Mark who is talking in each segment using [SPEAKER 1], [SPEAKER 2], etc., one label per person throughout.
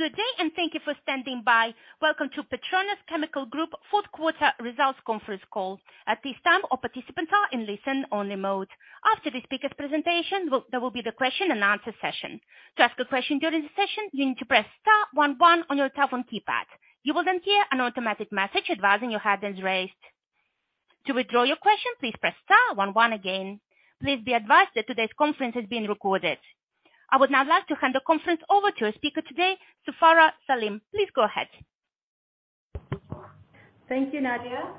[SPEAKER 1] Good day and thank you for standing by. Welcome to PETRONAS Chemicals Group fourth quarter results conference call. At this time, all participants are in listen-only mode. After the speaker presentation, well, there will be the question and answer session. To ask a question during the session, you need to press star 11 on your telephone keypad. You will then hear an automatic message advising your hand has raised. To withdraw your question, please press star 11 again. Please be advised that today's conference is being recorded. I would now like to hand the conference over to our speaker today, Safarah Salim. Please go ahead.
[SPEAKER 2] Thank you, Nadia.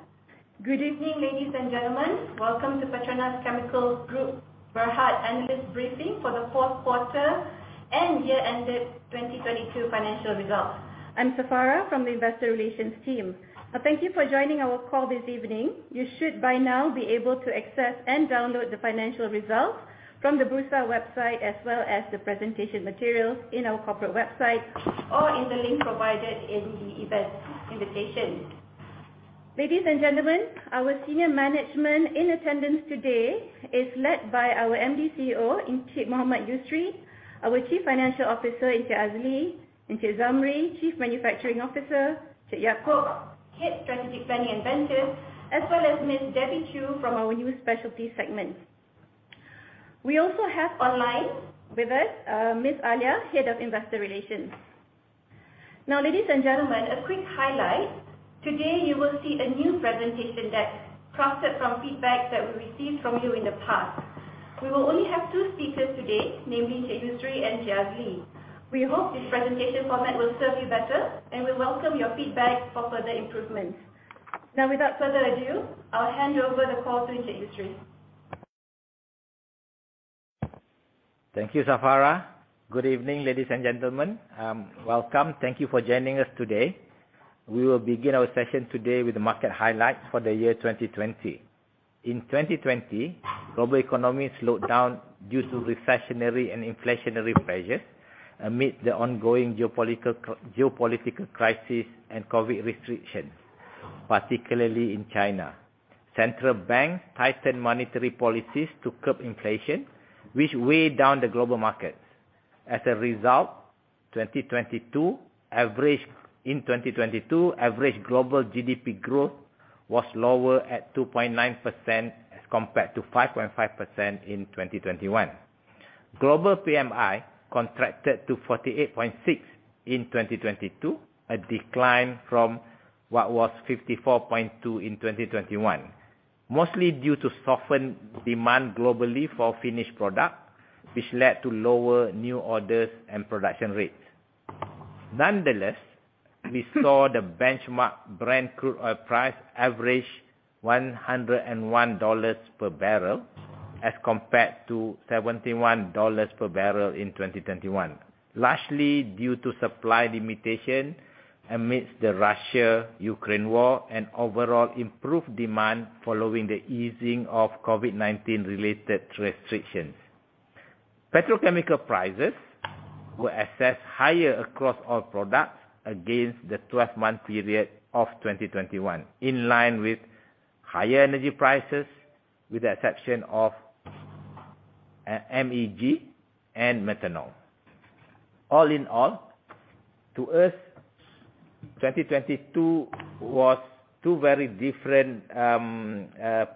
[SPEAKER 2] Good evening, ladies and gentlemen. Welcome to PETRONAS Chemicals Group Berhad analyst briefing for the fourth quarter and year-ended 2022 financial results. I'm Safarah from the investor relations team. Thank you for joining our call this evening. You should, by now be able to access and download the financial results from the Bursa website as well as the presentation materials in our corporate website or in the link provided in the event invitation. Ladies and gentlemen, our senior management in attendance today is led by our MD CEO, Encik Mohammad Yusri, our Chief Financial Officer, Encik Azli, Encik Zamri, Chief Manufacturing Officer, Encik Yaacob, Head, Strategic Planning & Ventures, as well as Ms. Debbie Chu from our new specialty segment. We also have online with us, Ms. Alia, Head of Investor Relations. Ladies and gentlemen, a quick highlight. Today you will see a new presentation that crafted from feedback that we received from you in the past. We will only have two speakers today, namely Encik Yusri and Encik Azli. We hope this presentation format will serve you better, and we welcome your feedback for further improvements. Without further ado, I'll hand over the call to Encik Yusri.
[SPEAKER 3] Thank you, Safarah. Good evening, ladies and gentlemen. Welcome. Thank you for joining us today. We will begin our session today with the market highlights for the year 2020. In 2020, global economy slowed down due to recessionary and inflationary pressures amid the ongoing geopolitical crisis and COVID restrictions, particularly in China. Central banks tightened monetary policies to curb inflation, which weigh down the global markets. As a result, in 2022, average global GDP growth was lower at 2.9% as compared to 5.5% in 2021. Global PMI contracted to 48.6 in 2022, a decline from what was 54.2 in 2021, mostly due to softened demand globally for finished product, which led to lower new orders and production rates. Nonetheless, we saw the benchmark Brent crude oil price average $101 per barrel as compared to $71 per barrel in 2021. Largely due to supply limitation amidst the Russia-Ukraine war and overall improved demand following the easing of COVID-19 related restrictions. Petrochemical prices were assessed higher across all products against the 12-month period of 2021, in line with higher energy prices, with the exception of MEG and Methanol. All in all, to us, 2022 was two very different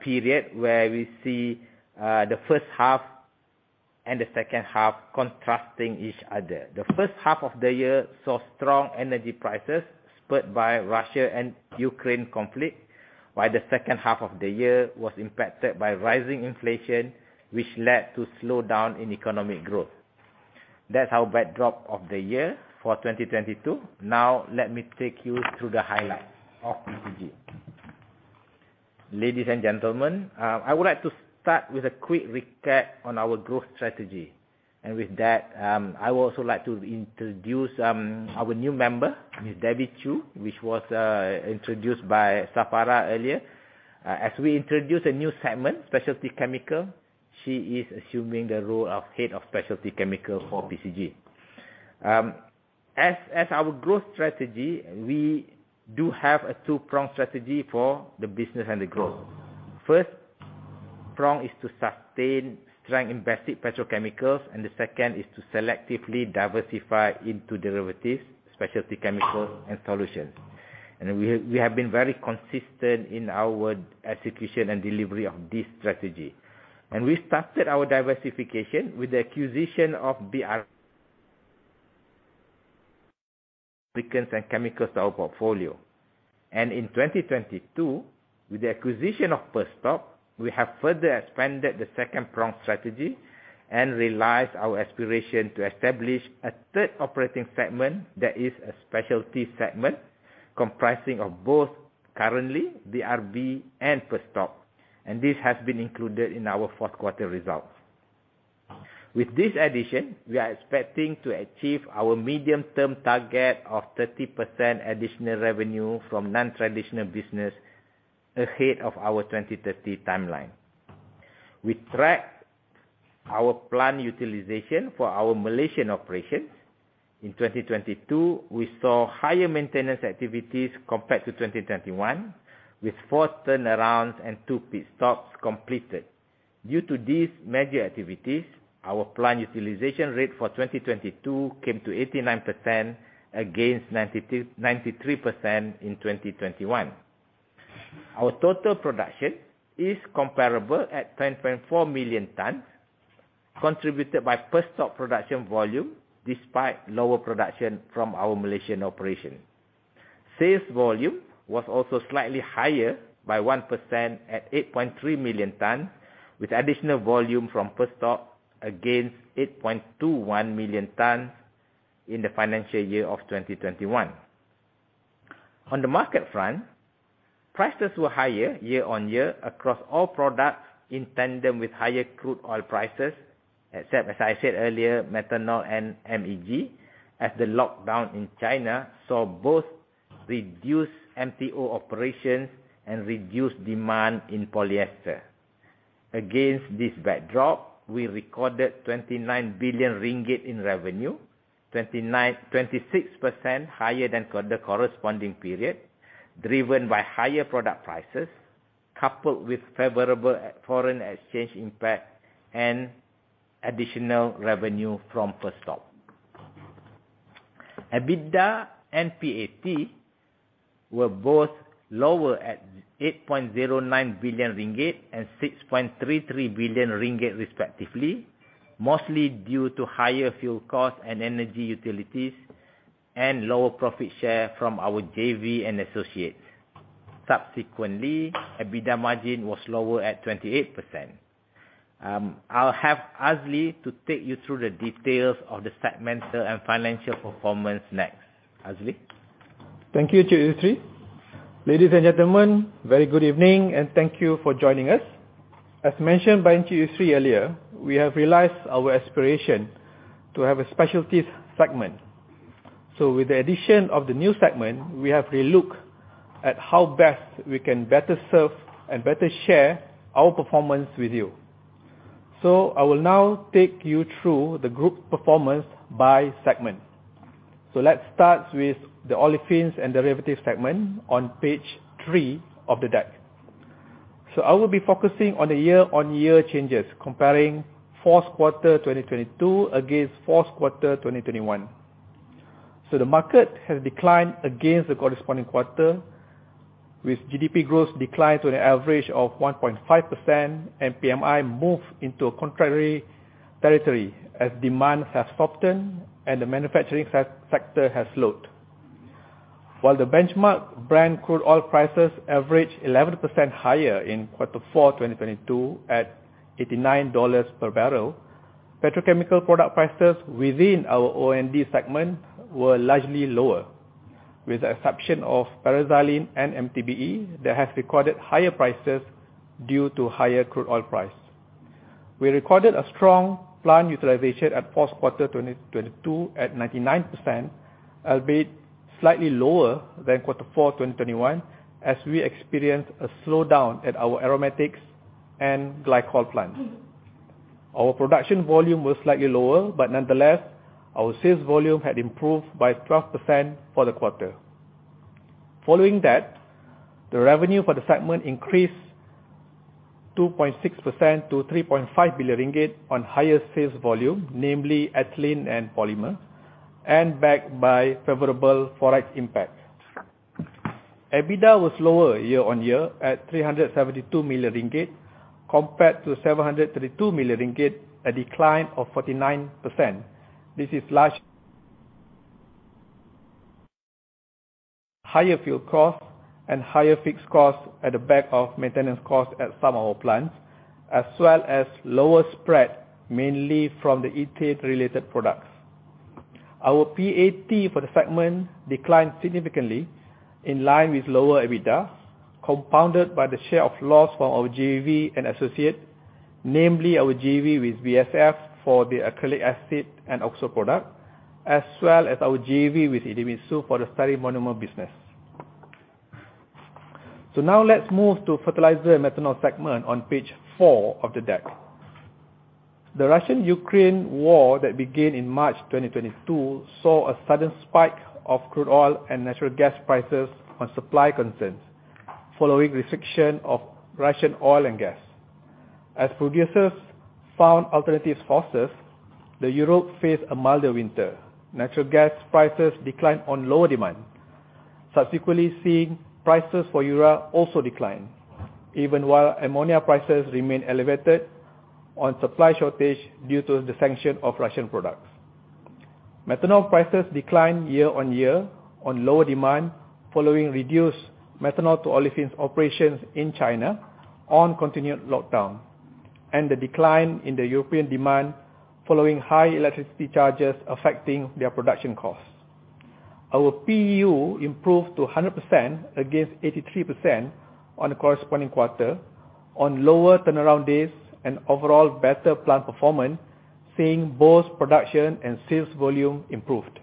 [SPEAKER 3] period where we see the first half and the second half contrasting each other. The first half of the year saw strong energy prices spurred by Russia and Ukraine conflict, while the second half of the year was impacted by rising inflation, which led to slowdown in economic growth. That's our backdrop of the year for 2022. Now let me take you through the highlights of PCG. Ladies and gentlemen, I would like to start with a quick recap on our growth strategy. With that, I would also like to introduce our new member, Ms. Debbie Chu, which was introduced by Safarah earlier. As we introduce a new segment, Specialty Chemicals, she is assuming the role of Head of Specialty Chemicals for PCG. As our growth strategy, we do have a two-pronged strategy for the business and the growth. First prong is to sustain strength in basic petrochemicals, and the second is to selectively diversify into derivatives, specialty chemicals and solutions. We have been very consistent in our execution and delivery of this strategy. We started our diversification with the acquisition of BRB to our portfolio. In 2022, with the acquisition of Perstorp, we have further expanded the second prong strategy and realize our aspiration to establish a third operating segment that is a specialty segment comprising of both currently BRB and Perstorp, and this has been included in our fourth quarter results. With this addition, we are expecting to achieve our medium-term target of 30% additional revenue from non-traditional business ahead of our 2030 timeline. We tracked our plant utilization for our Malaysian operations. In 2022, we saw higher maintenance activities compared to 2021 with 4 turnarounds and 2 pit stops completed. Due to these major activities, our plant utilization rate for 2022 came to 89% against 93% in 2021. Our total production is comparable at 10.4 million tons, contributed by first stock production volume despite lower production from our Malaysian operation. Sales volume was also slightly higher by 1% at 8.3 million tons, with additional volume from first stock against 8.21 million tons in the financial year of 2021. The market front, prices were higher year-over-year across all products in tandem with higher crude oil prices, except as I said earlier, methanol and MEG, as the lockdown in China saw both reduced MTO operations and reduced demand in polyester. Against this backdrop, we recorded 29 billion ringgit in revenue, 26% higher than the corresponding period, driven by higher product prices, coupled with favorable foreign exchange impact and additional revenue from first stock. EBITDA and PAT were both lower at 8.09 billion ringgit and 6.33 billion ringgit respectively, mostly due to higher fuel costs and energy utilities and lower profit share from our JV and associates. Subsequently, EBITDA margin was lower at 28%. I'll have Azli to take you through the details of the segmental and financial performance next. Azli.
[SPEAKER 4] Thank you, Chin Yusri. Ladies and gentlemen, very good evening and thank you for joining us. As mentioned by Chin Yusri earlier, we have realized our aspiration to have a specialties segment. With the addition of the new segment, we have re-looked at how best we can better serve and better share our performance with you. I will now take you through the group performance by segment. Let's start with the Olefins & Derivatives segment on page three of the deck. I will be focusing on the year-over-year changes, comparing fourth quarter 2022 against fourth quarter 2021. The market has declined against the corresponding quarter, with GDP growth declined to an average of 1.5% and PMI moved into a contrary territory as demand has softened and the manufacturing sector has slowed. While the benchmark Brent crude oil prices averaged 11% higher in Q4 2022 at $89 per barrel, petrochemical product prices within our O&D segment were largely lower, with the exception of paraxylene and MTBE that has recorded higher prices due to higher crude oil price. We recorded a strong plant utilization at Q4 2022 at 99%, albeit slightly lower than Q4 2021, as we experienced a slowdown at our aromatics and glycol plants. Our production volume was slightly lower, but nonetheless, our sales volume had improved by 12% for the quarter. Following that, the revenue for the segment increased 2.6% to 3.5 billion ringgit on higher sales volume, namely ethylene and polymer, and backed by favorable ForEx impact. EBITDA was lower year-on-year at 372 million ringgit compared to 732 million ringgit, a decline of 49%. This is Higher fuel costs and higher fixed costs at the back of maintenance costs at some of our plants, as well as lower spread, mainly from the Ethylene related products. Our PAT for the segment declined significantly in line with lower EBITDA, compounded by the share of loss from our JV and associate, namely our JV with BASF for the Acrylic Acid and Oxo product, as well as our JV with Idemitsu for the Styrene Monomer business. Now let's move to Fertiliser & Methanol segment on page 4 of the deck. The Russian-Ukraine war that began in March 2022 saw a sudden spike of crude oil and natural gas prices on supply concerns following restriction of Russian oil and gas. As producers found alternative sources, Europe faced a milder winter. Natural gas prices declined on lower demand. Subsequently seeing prices for urea also decline, even while ammonia prices remained elevated on supply shortage due to the sanction of Russian products. Methanol prices declined year-on-year on lower demand following reduced methanol to olefins operations in China on continued lockdown and the decline in the European demand following high electricity charges affecting their production costs. Our PU improved to 100% against 83% on the corresponding quarter on lower turnaround days and overall better plant performance, seeing both production and sales volume improved.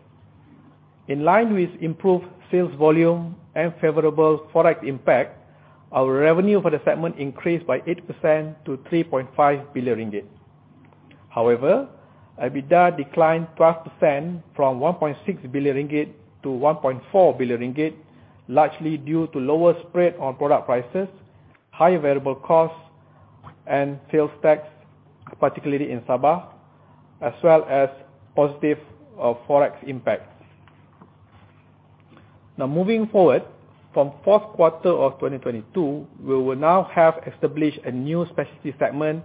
[SPEAKER 4] In line with improved sales volume and favorable ForEx impact, our revenue for the segment increased by 8% to 3.5 billion ringgit. EBITDA declined 12% from 1.6 billion ringgit to 1.4 billion ringgit, largely due to lower spread on product prices, high variable costs and sales tax, particularly in Sabah, as well as positive ForEx impact. Moving forward, from fourth quarter of 2022, we will now have established a new specialty segment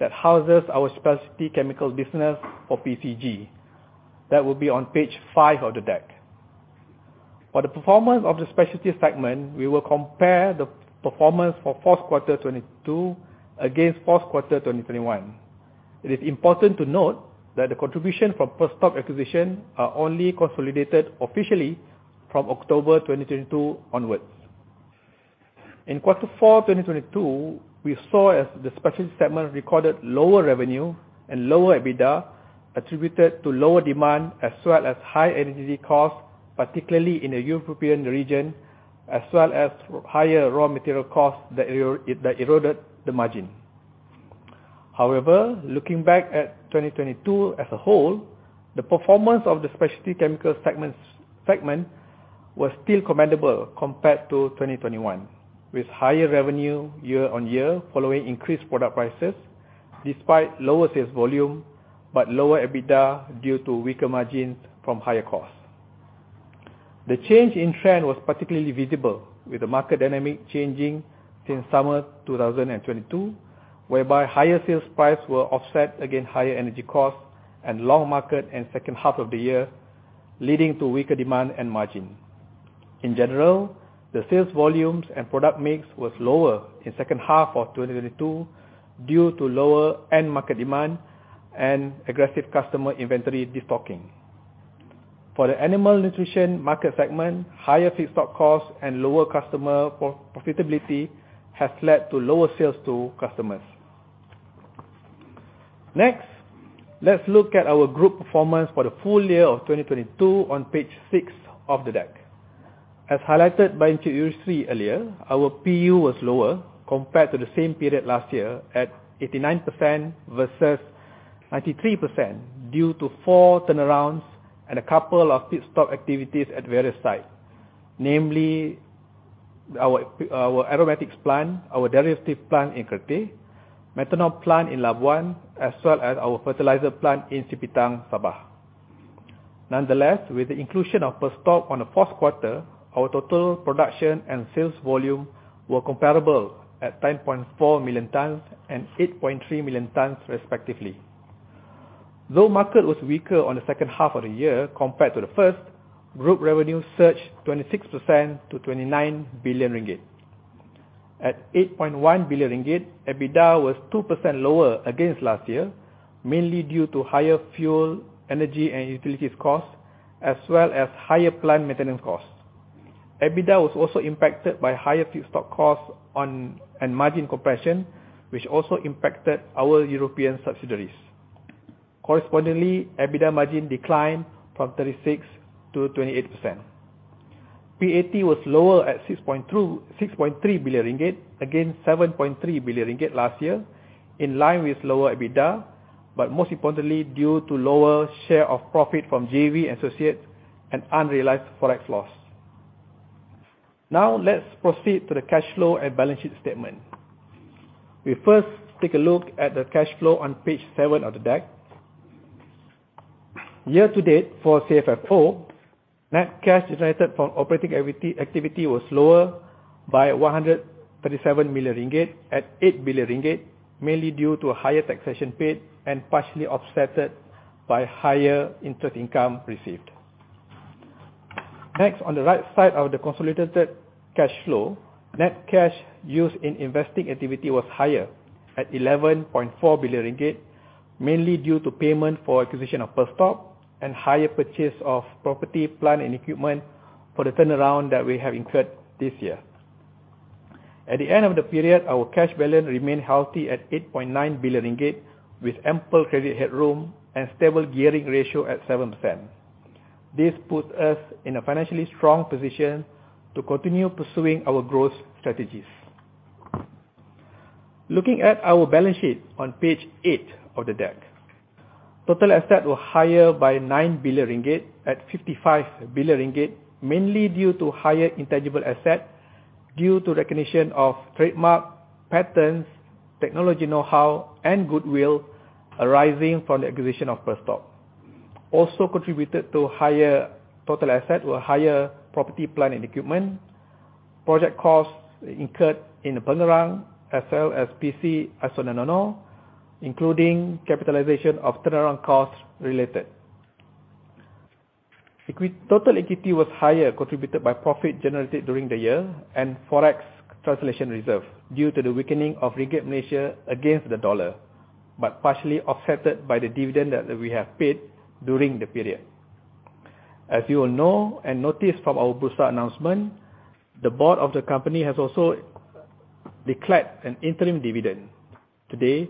[SPEAKER 4] that houses our specialty chemical business for PCG. That will be on page 5 of the deck. For the performance of the specialty segment, we will compare the performance for fourth quarter 2022 against fourth quarter 2021. It is important to note that the contribution from Perstorp acquisition are only consolidated officially from October 2022 onwards. In quarter four, 2022, we saw as the specialty segment recorded lower revenue and lower EBITDA attributed to lower demand, as well as high energy costs, particularly in the European region, as well as higher raw material costs that eroded the margin. However, looking back at 2022 as a whole, the performance of the specialty chemical segment was still commendable compared to 2021 with higher revenue year-on-year following increased product prices despite lower sales volume but lower EBITDA due to weaker margins from higher costs. The change in trend was particularly visible with the market dynamic changing since summer 2022, whereby higher sales price were offset against higher energy costs and long market in second half of the year, leading to weaker demand and margin. In general, the sales volumes and product mix was lower in second half of 2022 due to lower end market demand and aggressive customer inventory de-stocking. For the animal nutrition market segment, higher feedstock costs and lower customer pro-profitability has led to lower sales to customers. Next, let's look at our group performance for the full year of 2022 on page 6 of the deck. As highlighted by Encik Yusri earlier, our PU was lower compared to the same period last year at 89% versus 93% due to 4 turnarounds and a couple of pit stop activities at various sites, namely our aromatics plant, our derivative plant in Kertih, methanol plant in Labuan, as well as our fertilizer plant in Sipitang, Sabah. Nonetheless, with the inclusion of Perstorp on the fourth quarter, our total production and sales volume were comparable at 10.4 million tons and 8.3 million tons respectively. Market was weaker on the second half of the year compared to the first, group revenue surged 26% to 29 billion ringgit. At 8.1 billion ringgit, EBITDA was 2% lower against last year, mainly due to higher fuel, energy and utilities costs, as well as higher plant maintenance costs. EBITDA was also impacted by higher feedstock costs and margin compression, which also impacted our European subsidiaries. Correspondingly, EBITDA margin declined from 36%-28%. PAT was lower at 6.3 billion ringgit against 7.3 billion ringgit last year in line with lower EBITDA, but most importantly due to lower share of profit from JV associates and unrealized ForEx loss. Let's proceed to the cash flow and balance sheet statement. We first take a look at the cash flow on page 7 of the deck. Year to date for CFFO, net cash generated from operating activity was lower by 137 million ringgit at 8 billion ringgit, mainly due to a higher taxation paid and partially offset by higher interest income received. Next, on the right side of the consolidated cash flow, net cash used in investing activity was higher at 11.4 billion ringgit, mainly due to payment for acquisition of Perstorp and higher purchase of property, plant and equipment for the turnaround that we have incurred this year. At the end of the period, our cash balance remained healthy at 8.9 billion ringgit with ample credit headroom and stable gearing ratio at 7%. This puts us in a financially strong position to continue pursuing our growth strategies. Looking at our balance sheet on page 8 of the deck. Total asset was higher by 9 billion ringgit at 55 billion ringgit, mainly due to higher intangible asset due to recognition of trademark, patents, technology know-how and goodwill arising from the acquisition of Perstorp. Also contributed to higher total asset or higher property, plant and equipment, project costs incurred in the Pengerang, as well as PC Isononanol, including capitalization of turnaround costs related. Total equity was higher contributed by profit generated during the year and ForEx translation reserve due to the weakening of Ringgit Malaysia against the dollar, partially offset by the dividend that we have paid during the period. As you will know and notice from our Bursa announcement, the board of the company has also declared an interim dividend today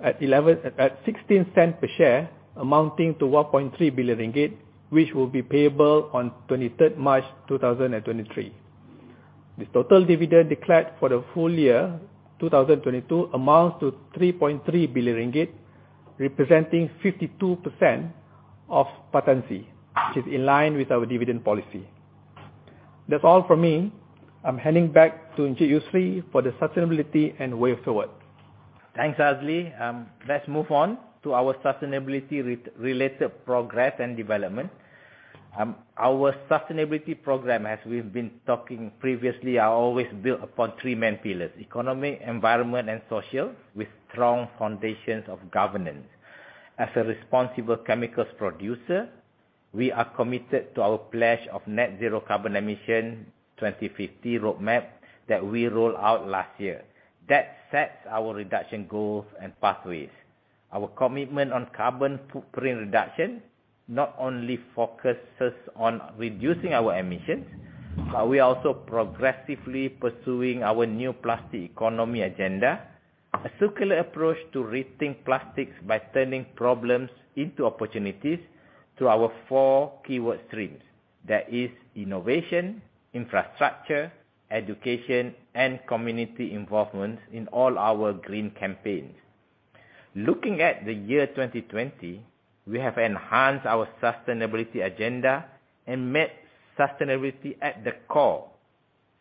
[SPEAKER 4] at 0.16 per share, amounting to 1.3 billion ringgit, which will be payable on 23rd March 2023. The total dividend declared for the full year 2022 amounts to 3.3 billion ringgit, representing 52% of PAT, which is in line with our dividend policy. That's all from me. I'm handing back to Yusri for the sustainability and way forward.
[SPEAKER 3] Thanks, Azli. Let's move on to our sustainability-related progress and development. Our sustainability program, as we've been talking previously, are always built upon 3 main pillars: economy, environment and social with strong foundations of governance. As a responsible chemicals producer, we are committed to our pledge of Net Zero Carbon Emissions 2050 roadmap that we rolled out last year. Sets our reduction goals and pathways. Our commitment on carbon footprint reduction not only focuses on reducing our emissions, but we are also progressively pursuing our new plastic economy agenda. A circular approach to rethink plastics by turning problems into opportunities to our 4 keyword streams. Innovation, infrastructure, education, and community involvement in all our green campaigns. Looking at the year 2020, we have enhanced our sustainability agenda and made sustainability at the core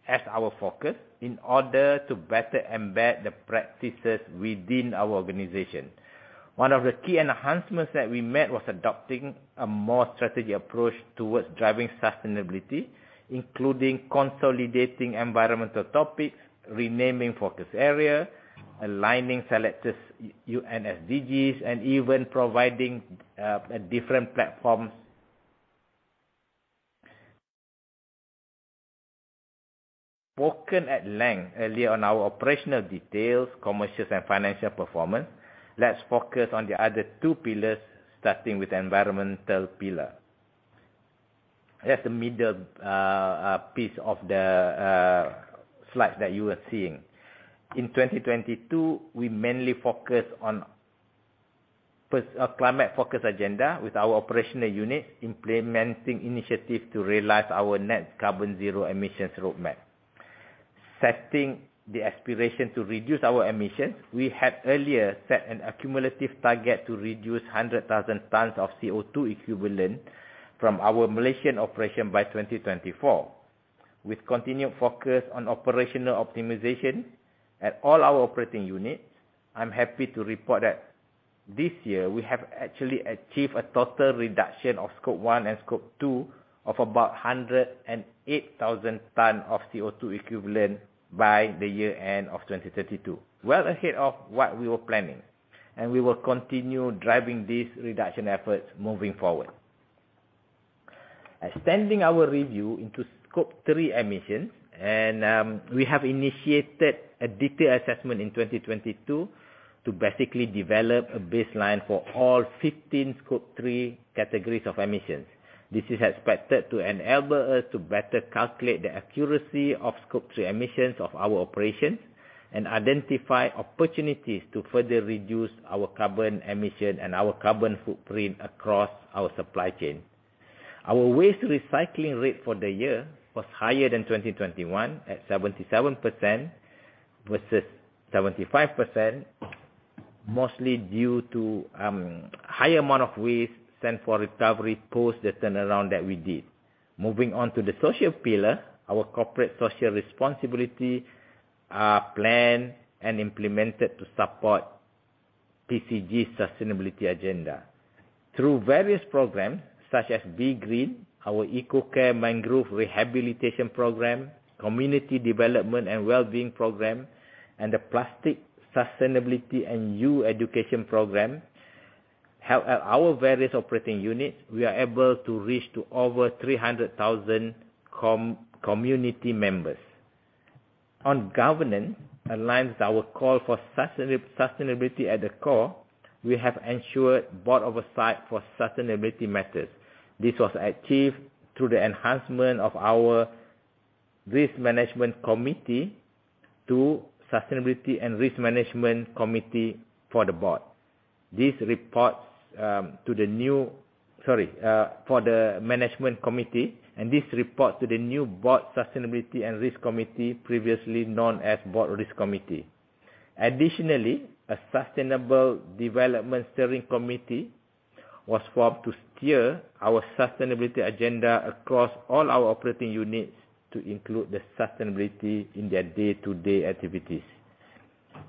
[SPEAKER 3] as our focus in order to better embed the practices within our organization. One of the key enhancements that we made was adopting a more strategic approach towards driving sustainability, including consolidating environmental topics, renaming focus area, aligning selected UN SDGs, and even providing a different platform. Spoken at length earlier on our operational details, commercials and financial performance, let's focus on the other two pillars, starting with the environmental pillar. That's the middle piece of the slide that you are seeing. In 2022, we mainly focus on first, climate focus agenda with our operational unit implementing initiative to realize our Net Zero Carbon Emissions roadmap. Setting the aspiration to reduce our emissions, we had earlier set a cumulative target to reduce 100,000 tons of CO2 equivalent from our Malaysian operation by 2024. With continued focus on operational optimization at all our operating units, I'm happy to report that this year we have actually achieved a total reduction of Scope 1 and Scope 2 of about 108,000 tons of CO2 equivalent by the year end of 2032. Well ahead of what we were planning, we will continue driving these reduction efforts moving forward. Extending our review into Scope 3 emissions, we have initiated a detailed assessment in 2022 to basically develop a baseline for all 15 Scope 3 categories of emissions. This is expected to enable us to better calculate the accuracy of Scope 3 emissions of our operations and identify opportunities to further reduce our carbon emission and our carbon footprint across our supply chain. Our waste recycling rate for the year was higher than 2021 at 77% versus 75%, mostly due to high amount of waste sent for recovery post the turnaround that we did. Moving on to the social pillar, our corporate social responsibility plan and implemented to support PCG sustainability agenda. Through various programs such as Be Green, our ecoCare Mangrove Rehabilitation Program, Community Development and Wellbeing Program, and the Plastic, Sustainability and You education program, at our various operating units, we are able to reach to over 300,000 community members. On governance, aligns our call for sustainability at the core, we have ensured board oversight for sustainability matters. This was achieved through the enhancement of our risk management committee to sustainability and risk management committee for the board. These reports for the management committee and this reports to the new board sustainability and risk committee, previously known as Board Risk Committee. Additionally, a sustainable development steering committee was formed to steer our sustainability agenda across all our operating units to include the sustainability in their day-to-day activities.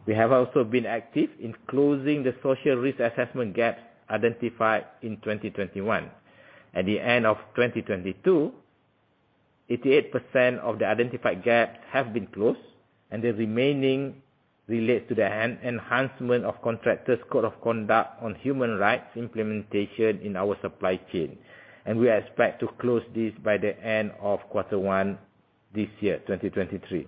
[SPEAKER 3] We have also been active in closing the social risk assessment gaps identified in 2021. At the end of 2022, 88% of the identified gaps have been closed, and the remaining relates to the enhancement of contractors' code of conduct on human rights implementation in our supply chain. We expect to close this by the end of quarter one this year, 2023.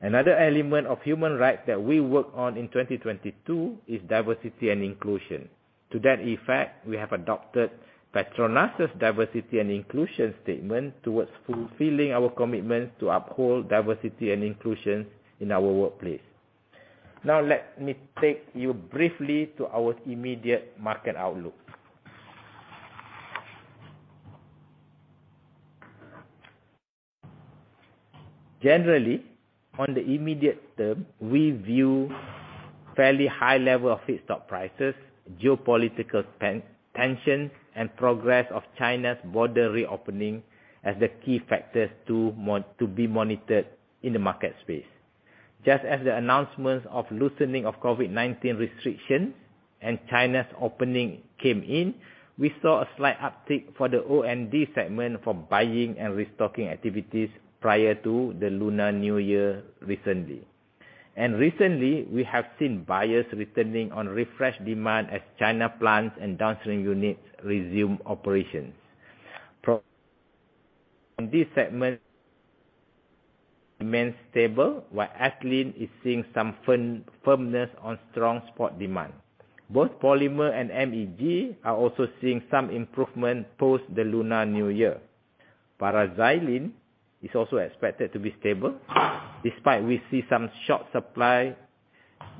[SPEAKER 3] Another element of human rights that we worked on in 2022 is diversity and inclusion. To that effect, we have adopted PETRONAS' diversity and inclusion statement towards fulfilling our commitments to uphold diversity and inclusion in our workplace. Now, let me take you briefly to our immediate market outlook. Generally, on the immediate term, we view fairly high level of feedstock prices, geopolitical tension, and progress of China's border reopening as the key factors to be monitored in the market space. Just as the announcements of loosening of COVID-19 restriction and China's opening came in, we saw a slight uptick for the O&D segment from buying and restocking activities prior to the Lunar New Year recently. Recently, we have seen buyers returning on refreshed demand as China plants and downstream units resume operations. From this segment remains stable, while Ethylene is seeing some firmness on strong spot demand. Both Polymer and MEG are also seeing some improvement post the Lunar New Year. Paraxylene is also expected to be stable, despite we see some short supply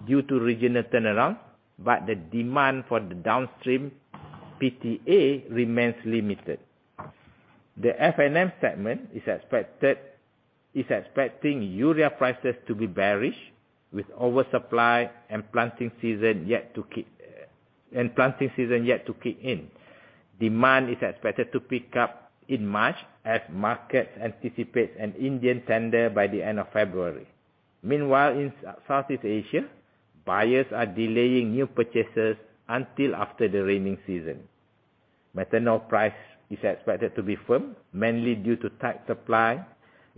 [SPEAKER 3] due to regional turnaround, but the demand for the downstream PTA remains limited. The F&M segment is expecting Urea prices to be bearish, with oversupply and planting season yet to kick in. Demand is expected to pick up in March, as markets anticipate an Indian tender by the end of February. Meanwhile, in South East Asia, buyers are delaying new purchases until after the raining season. Methanol price is expected to be firm, mainly due to tight supply,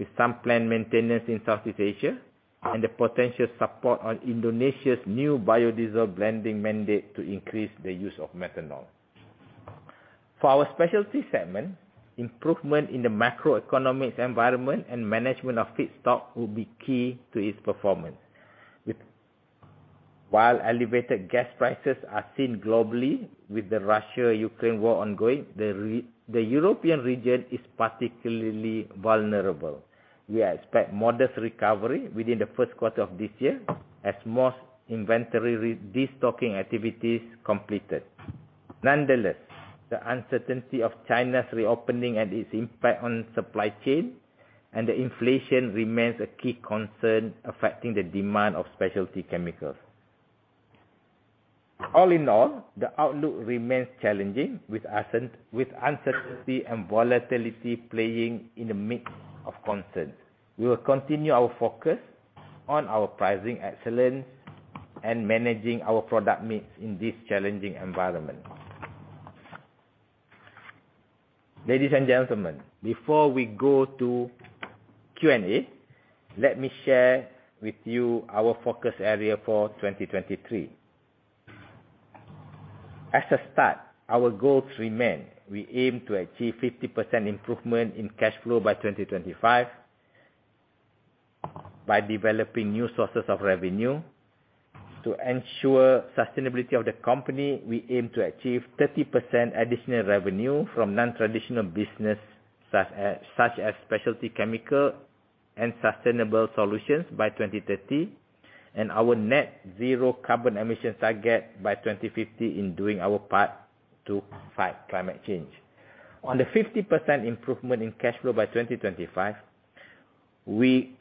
[SPEAKER 3] with some plant maintenance in Southeast Asia and the potential support on Indonesia's new biodiesel blending mandate to increase the use of methanol. For our specialty segment, improvement in the macroeconomics environment and management of feedstock will be key to its performance. While elevated gas prices are seen globally with the Russia-Ukraine war ongoing, the European region is particularly vulnerable. We expect modest recovery within the first quarter of this year as most inventory destocking activities completed. Nonetheless, the uncertainty of China's reopening and its impact on supply chain and the inflation remains a key concern affecting the demand of specialty chemicals. All in all, the outlook remains challenging with uncertainty and volatility playing in a mix of concerns. We will continue our focus on our pricing excellence and managing our product mix in this challenging environment. Ladies and gentlemen, before we go to Q&A, let me share with you our focus area for 2023. As a start, our goals remain. We aim to achieve 50% improvement in cash flow by 2025 by developing new sources of revenue. To ensure sustainability of the company, we aim to achieve 30% additional revenue from non-traditional business, such as specialty chemical and sustainable solutions by 2030, and our Net Zero Carbon Emissions target by 2050 in doing our part to fight climate change. On the 50% improvement in cash flow by 2025, we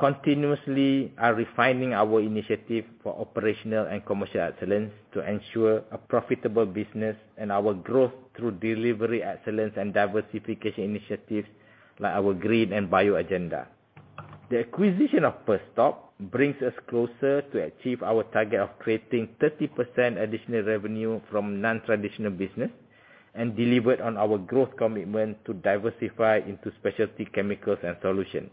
[SPEAKER 3] continuously are refining our initiative for operational and commercial excellence to ensure a profitable business and our growth through delivery excellence and diversification initiatives, like our green and bio agenda. The acquisition of Perstorp brings us closer to achieve our target of creating 30% additional revenue from non-traditional business and deliver on our growth commitment to diversify into specialty chemicals and solutions.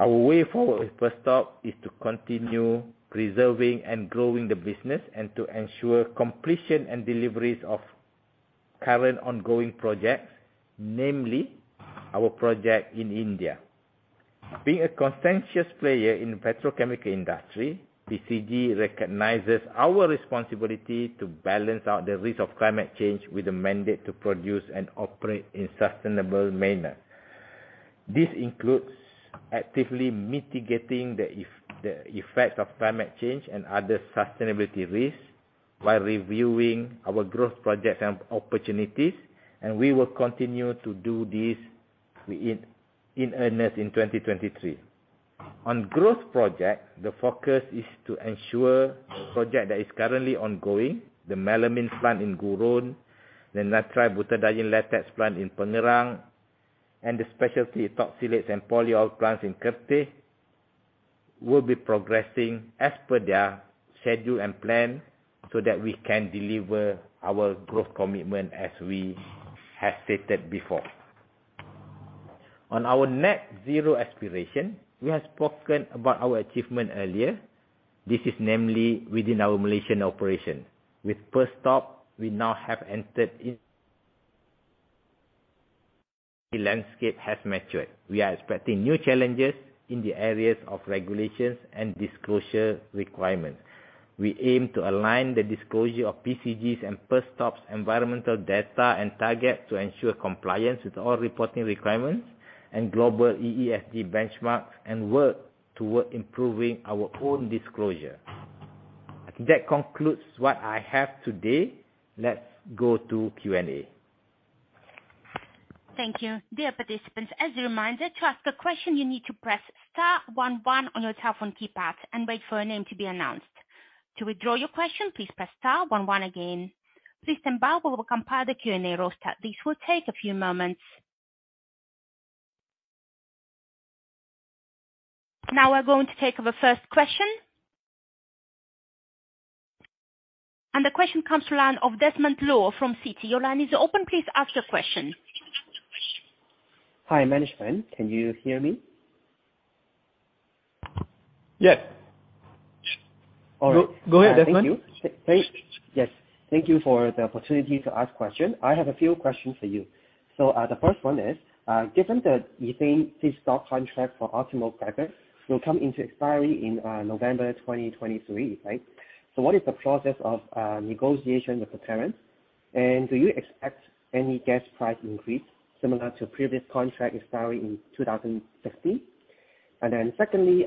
[SPEAKER 3] Our way forward with Perstorp is to continue preserving and growing the business and to ensure completion and deliveries of current ongoing projects, namely our project in India. Being a conscientious player in the petrochemical industry, PCG recognizes our responsibility to balance out the risk of climate change with a mandate to produce and operate in sustainable manner. This includes actively mitigating the effect of climate change and other sustainability risks by reviewing our growth projects and opportunities. We will continue to do this with in earnest in 2023. On growth projects, the focus is to ensure project that is currently ongoing, the melamine plant in Gurun, the Nitrile Butadiene Latex plant in Pengerang, and the specialty phthalates and polyol plants in Kertih, will be progressing as per their schedule and plan, so that we can deliver our growth commitment as we have stated before. On our net zero aspiration, we have spoken about our achievement earlier. This is namely within our Malaysian operation. With Perstorp, we now have entered in the landscape has matured. We are expecting new challenges in the areas of regulations and disclosure requirements. We aim to align the disclosure of PCGs and Perstorp's environmental data and targets to ensure compliance with all reporting requirements and global EESB benchmarks and work toward improving our own disclosure.
[SPEAKER 4] That concludes what I have today. Let's go to Q&A.
[SPEAKER 1] Thank you. Dear participants, as a reminder, to ask a question you need to press star 11 on your telephone keypad and wait for your name to be announced. To withdraw your question, please press star 11 again. Please stand by while we compile the Q&A roster. This will take a few moments. Now we're going to take the first question. The question comes from the line of Desmond Loh from Citi. Your line is open. Please ask your question.
[SPEAKER 5] Hi, management. Can you hear me?
[SPEAKER 4] Yes.
[SPEAKER 5] All right.
[SPEAKER 4] Go ahead, Desmond.
[SPEAKER 5] Thank you. Yes. Thank you for the opportunity to ask question. I have a few questions for you. The first one is given the ethane feedstock contract for optimal cracker will come into expiry in November 2023, right? What is the process of negotiation with the parent? Do you expect any gas price increase similar to previous contract expiry in 2016? Secondly,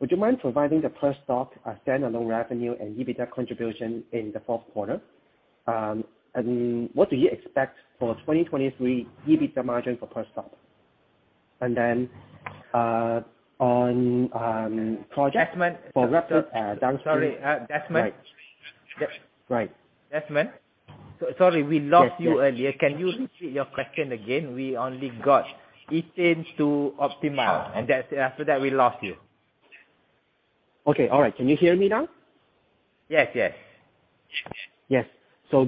[SPEAKER 5] would you mind providing the Perstorp standalone revenue and EBITDA contribution in the fourth quarter? What do you expect for 2023 EBITDA margin for Perstorp?
[SPEAKER 4] Desmond-
[SPEAKER 5] For RAPID downstream.
[SPEAKER 4] Sorry, Desmond.
[SPEAKER 5] Right.
[SPEAKER 4] Des-
[SPEAKER 5] Right.
[SPEAKER 4] Desmond. Sorry, we lost you earlier.
[SPEAKER 5] Yes, yes.
[SPEAKER 4] Can you repeat your question again? We only got Ethane to optimize, and that's. After that we lost you.
[SPEAKER 5] Okay. All right. Can you hear me now?
[SPEAKER 4] Yes. Yes.
[SPEAKER 5] Yes.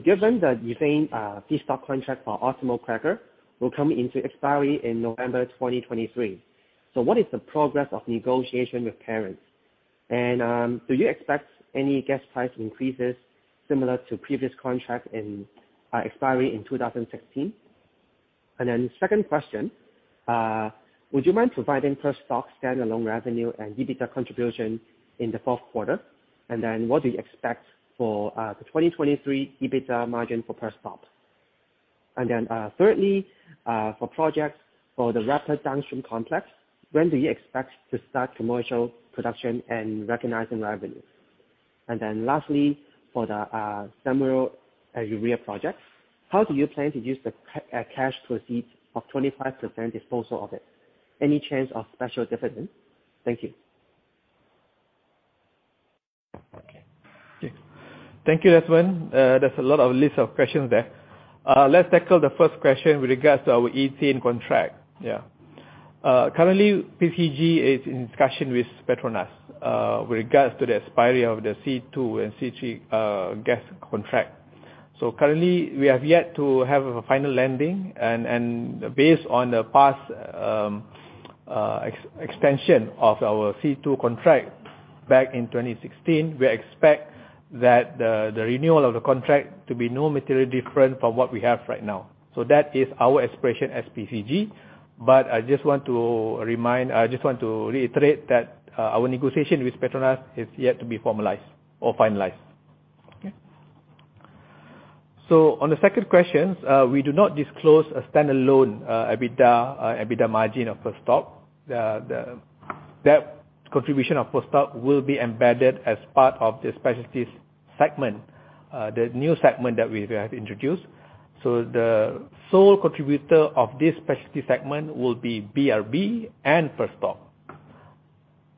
[SPEAKER 5] Given the ethane feedstock contract for optimal cracker will come into expiry in November 2023, what is the progress of negotiation with parents? Do you expect any gas price increases similar to previous contract in expiry in 2016? Second question, would you mind providing Perstorp standalone revenue and EBITDA contribution in the fourth quarter? What do you expect for the 2023 EBITDA margin for Perstorp? Thirdly, for projects for the RAPID downstream complex, when do you expect to start commercial production and recognizing revenues? Lastly, for the SAMUR Urea project, how do you plan to use the cash proceeds of 25% disposal of it? Any chance of special dividend? Thank you.
[SPEAKER 4] Thank you, Desmond. That's a lot of list of questions there. Let's tackle the first question with regards to our ethane contract. Currently PCG is in discussion with PETRONAS with regards to the expiry of the C two and C three gas contract. Currently we have yet to have a final lending and based on the past expansion of our C two contract back in 2016, we expect that the renewal of the contract to be no material different from what we have right now. That is our expression as PCG. I just want to reiterate that our negotiation with PETRONAS has yet to be formalized or finalized. On the second question, we do not disclose a standalone EBITDA EBITDA margin of Perstorp. That contribution of Perstorp will be embedded as part of the specialties segment, the new segment that we have introduced. The sole contributor of this specialty segment will be BRB and Perstorp.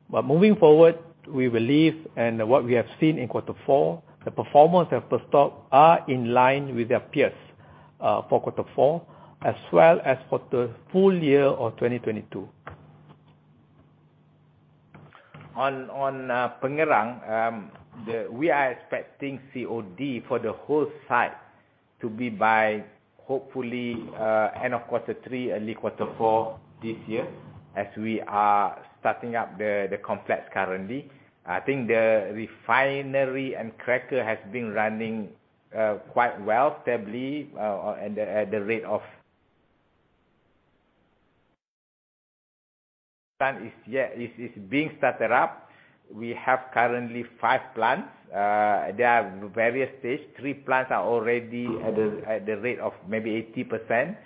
[SPEAKER 4] Moving forward, we believe and what we have seen in quarter four, the performance of Perstorp are in line with their peers, for quarter four, as well as for the full year of 2022. On Pengerang, we are expecting COD for the whole site to be by hopefully, end of quarter three, early quarter four this year, as we are starting up the complex currently. I think the refinery and cracker has been running quite well, stably, at the rate of plan is being started up. We have currently 5 plants. They are various stage. 3 plants are already at the rate of maybe 80%.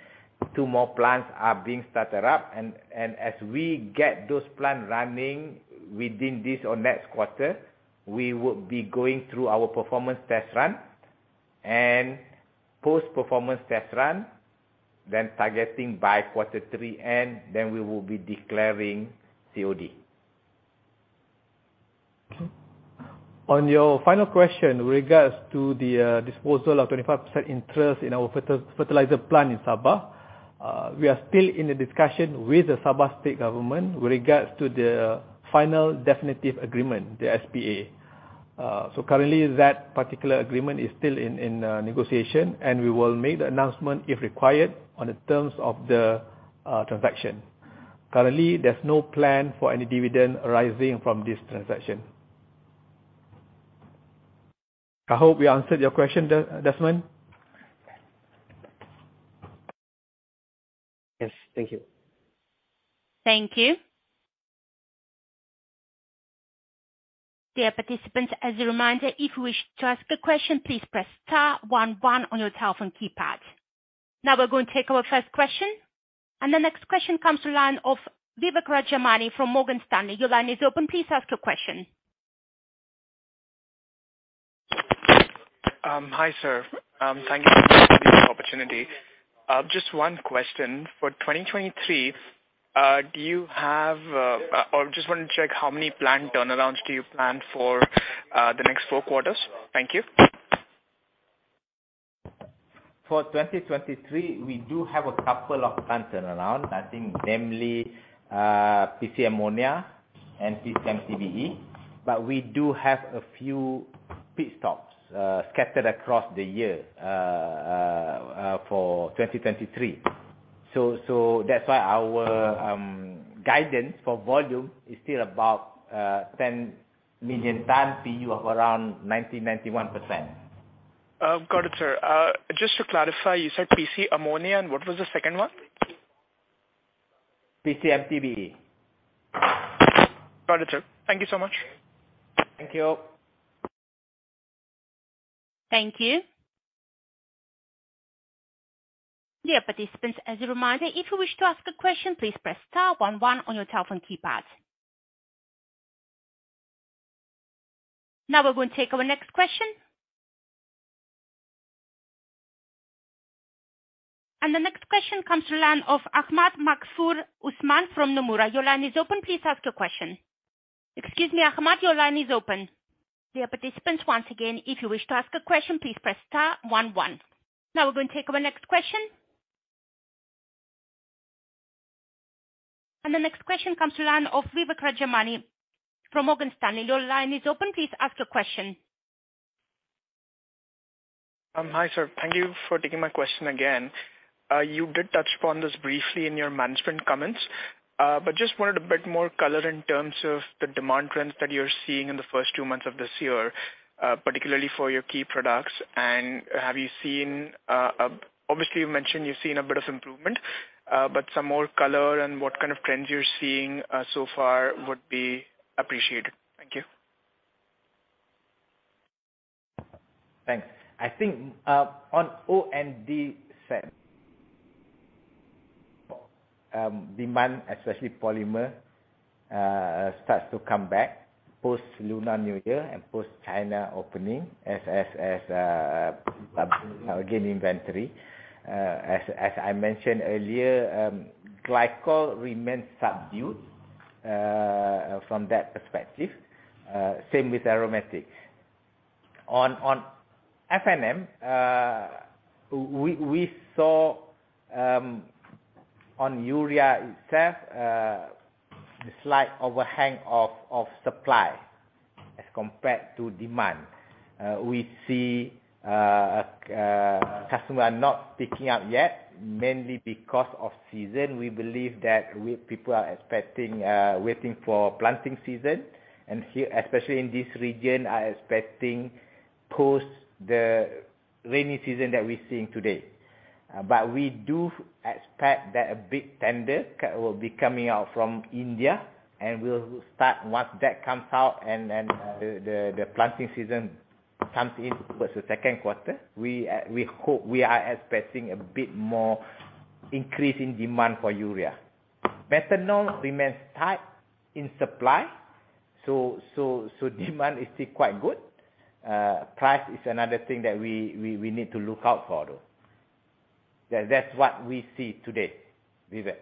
[SPEAKER 4] 2 more plants are being started up. As we get those plants running within this or next quarter, we will be going through our performance test run and post-performance test run, then targeting by quarter 3, and then we will be declaring COD. On your final question with regards to the disposal of 25% interest in our fertilizer plant in Sabah, we are still in a discussion with the Sabah State Government with regards to the final definitive agreement, the SPA. Currently that particular agreement is still in negotiation, and we will make the announcement if required on the terms of the transaction. Currently, there's no plan for any dividend arising from this transaction. I hope we answered your question, Desmond.
[SPEAKER 5] Yes. Thank you.
[SPEAKER 1] Thank you. Dear participants, as a reminder, if you wish to ask a question, please press star one one on your telephone keypad. Now we're going to take our first question. The next question comes to line of Vivek Rajamani from Morgan Stanley. Your line is open. Please ask your question.
[SPEAKER 6] Hi, sir. Thank you for this opportunity. Just 1 question. For 2023, just want to check how many plant turnarounds do you plan for the next 4 quarters? Thank you.
[SPEAKER 3] For 2023, we do have a couple of plant turnaround, I think mainly, PC Ammonia and PCM MTBE. We do have a few pit stops, scattered across the year, for 2023. That's why our guidance for volume is still about 10 million tons, PU of around 90-91%.
[SPEAKER 6] Got it, sir. just to clarify, you said PC Ammonia, and what was the second one?
[SPEAKER 3] PCM MTBE.
[SPEAKER 6] Got it, sir. Thank you so much.
[SPEAKER 3] Thank you.
[SPEAKER 1] Thank you. Dear participants, as a reminder, if you wish to ask a question, please press star one one on your telephone keypad. Now we're going to take our next question. The next question comes to line of Ahmad Maghfur Usman from Nomura. Your line is open. Please ask your question. Excuse me, Ahmad, your line is open. Dear participants, once again, if you wish to ask a question, please press star one one. Now we're going to take our next question. The next question comes to line of Vivek Rajamani from Morgan Stanley. Your line is open. Please ask your question.
[SPEAKER 6] Hi, sir. Thank you for taking my question again. You did touch upon this briefly in your management comments, but just wanted a bit more color in terms of the demand trends that you're seeing in the first 2 months of this year, particularly for your key products. Have you seen, obviously, you've mentioned you've seen a bit of improvement, but some more color and what kind of trends you're seeing so far would be appreciated. Thank you.
[SPEAKER 3] Thanks. I think on O&D side, demand especially Polymer, starts to come back post-Lunar New Year and post-China opening as again, inventory. As I mentioned earlier, glycol remains subdued from that perspective. Same with aromatics. On F&M, we saw on Urea itself, a slight overhang of supply as compared to demand. We see customer are not picking up yet, mainly because of season. We believe that people are expecting, waiting for planting season and here, especially in this region, are expecting post the rainy season that we're seeing today. We do expect that a bit tender will be coming out from India, and we'll start once that comes out and then the planting season comes in towards the second quarter. We are expecting a bit more increase in demand for urea. Methanol remains tight in supply, so demand is still quite good. Price is another thing that we need to look out for, though. That's what we see today, Vivek.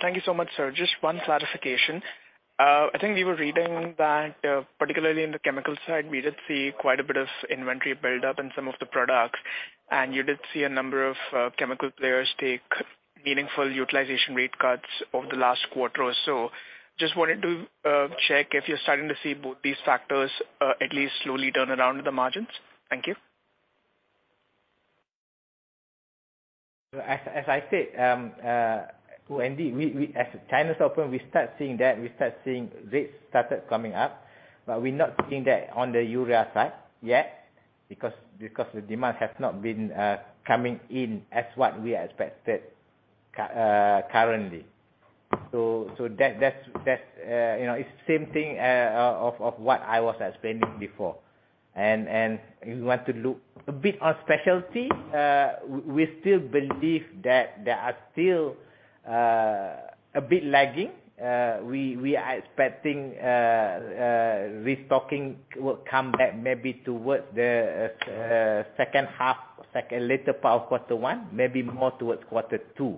[SPEAKER 6] Thank you so much, sir. Just one clarification. I think we were reading that, particularly in the chemical side, we did see quite a bit of inventory build-up in some of the products, and you did see a number of chemical players take meaningful utilization rate cuts over the last quarter or so. Just wanted to check if you're starting to see both these factors, at least slowly turn around with the margins. Thank you.
[SPEAKER 3] As I said, O&D, as China's open, we start seeing that. We start seeing rates started coming up. We're not seeing that on the urea side yet because the demand has not been coming in as what we expected currently. That's, you know, it's same thing of what I was explaining before. If you want to look a bit on specialty, we still believe that they are still a bit lagging. We are expecting restocking will come back maybe towards the second half, second later part of quarter one, maybe more towards quarter two.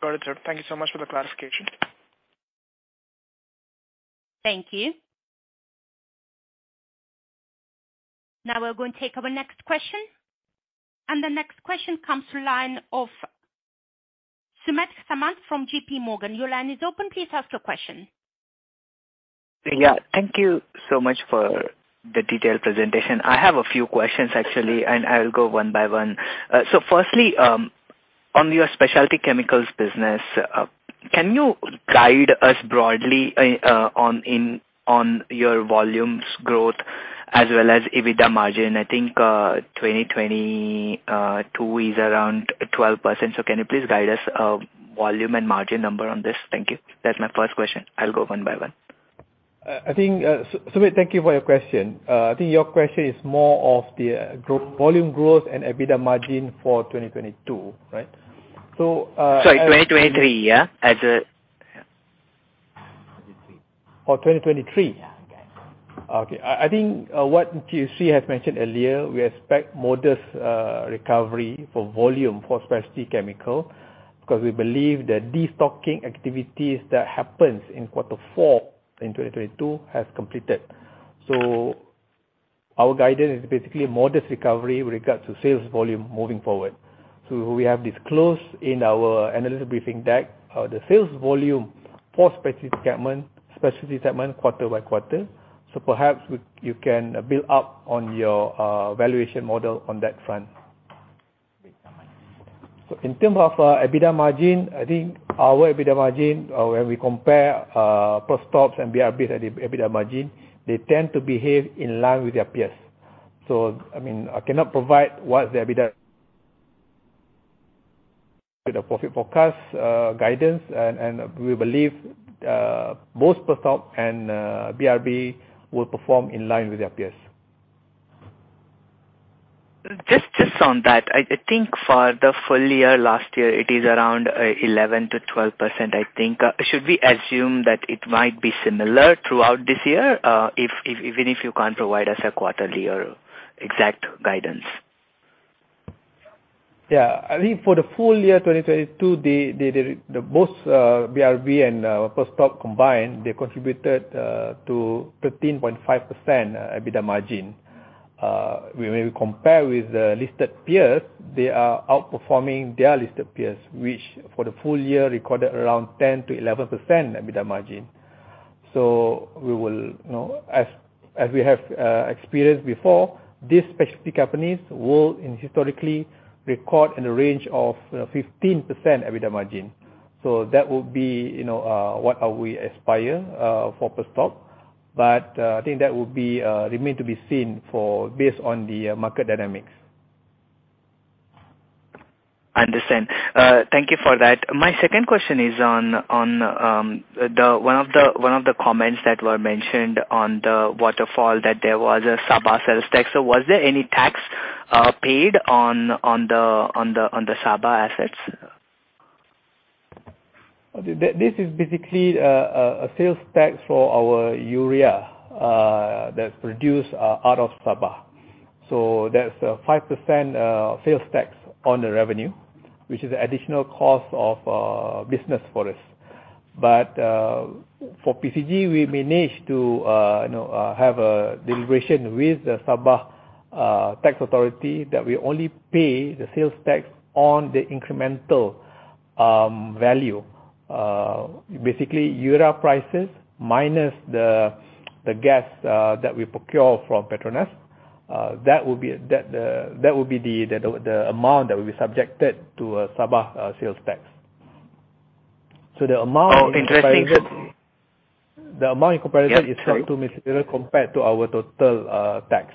[SPEAKER 6] Got it, sir. Thank you so much for the clarification.
[SPEAKER 1] Thank you. Now we're going to take our next question. The next question comes to line of Sumit Samant from JPMorgan. Your line is open. Please ask your question.
[SPEAKER 7] Yeah. Thank you so much for the detailed presentation. I have a few questions actually, and I'll go one by one. Firstly, on your specialty chemicals business, can you guide us broadly on your volumes growth as well as EBITDA margin? I think 2022 is around 12%. Can you please guide us volume and margin number on this? Thank you. That's my first question. I'll go one by one.
[SPEAKER 4] I think, Sumit, thank you for your question. I think your question is more of the group volume growth and EBITDA margin for 2022, right?
[SPEAKER 7] Sorry, 2023, yeah? Yeah.
[SPEAKER 4] For 2023?
[SPEAKER 7] Yeah. Okay.
[SPEAKER 4] Okay. I think what QC has mentioned earlier, we expect modest recovery for volume for specialty chemical, because we believe that destocking activities that happens in quarter four in 2022 has completed. Our guidance is basically a modest recovery with regards to sales volume moving forward. We have disclosed in our analyst briefing deck, the sales volume for specialty segment quarter by quarter. Perhaps you can build up on your valuation model on that front. In terms of EBITDA margin, I think our EBITDA margin, when we compare Perstorp and BRB at EBITDA margin, they tend to behave in line with their peers. I mean, I cannot provide what the profit forecast, guidance and we believe both Perstorp and BRB will perform in line with their peers.
[SPEAKER 7] Just on that. I think for the full year last year it is around 11%-2%, I think. Should we assume that it might be similar throughout this year? If, even if you can't provide us a quarterly or exact guidance.
[SPEAKER 4] Yeah, I think for the full year 2022, the both BRB and Perstorp combined, they contributed to 13.5% EBITDA margin. When we compare with the listed peers, they are outperforming their listed peers, which for the full year recorded around 10%-11% EBITDA margin. We will, you know, as we have experienced before, these specialty companies will historically record in the range of 15% EBITDA margin. That would be, you know, what we aspire for Perstorp. I think that would be remain to be seen for based on the market dynamics.
[SPEAKER 7] Understand. Thank you for that. My second question is on the comments that were mentioned on the waterfall that there was a Sabah sales tax. Was there any tax paid on the Sabah assets?
[SPEAKER 3] This is basically a sales tax for our Urea, that's produced out of Sabah. That's a 5% sales tax on the revenue, which is additional cost of business for us. For PCG, we managed to, you know, have a deliberation with the Sabah tax authority that we only pay the sales tax on the incremental value. Basically, Urea prices minus the gas, that we procure from PETRONAS, that would be the amount that will be subjected to a Sabah sales tax. The amount.
[SPEAKER 7] Oh, interesting.
[SPEAKER 4] The amount in comparison.
[SPEAKER 7] Yeah. Sorry.
[SPEAKER 4] Is not too material compared to our total tax.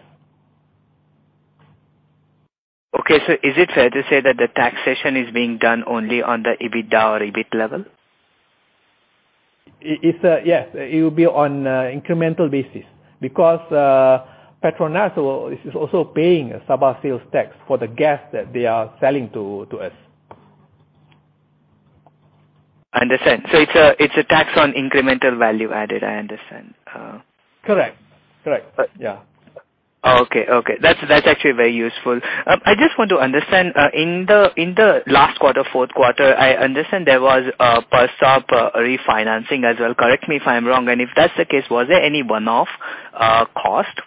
[SPEAKER 7] Okay. Is it fair to say that the taxation is being done only on the EBITDA or EBIT level?
[SPEAKER 4] It's, yes, it will be on incremental basis because PETRONAS is also paying a Sabah sales tax for the gas that they are selling to us.
[SPEAKER 7] Understand. It's a tax on incremental value added. I understand.
[SPEAKER 4] Correct. Correct. Yeah.
[SPEAKER 7] Okay. Okay. That's, that's actually very useful. I just want to understand, in the, in the last quarter, fourth quarter, I understand there was a Perstorp refinancing as well. Correct me if I'm wrong, and if that's the case, was there any one-off cost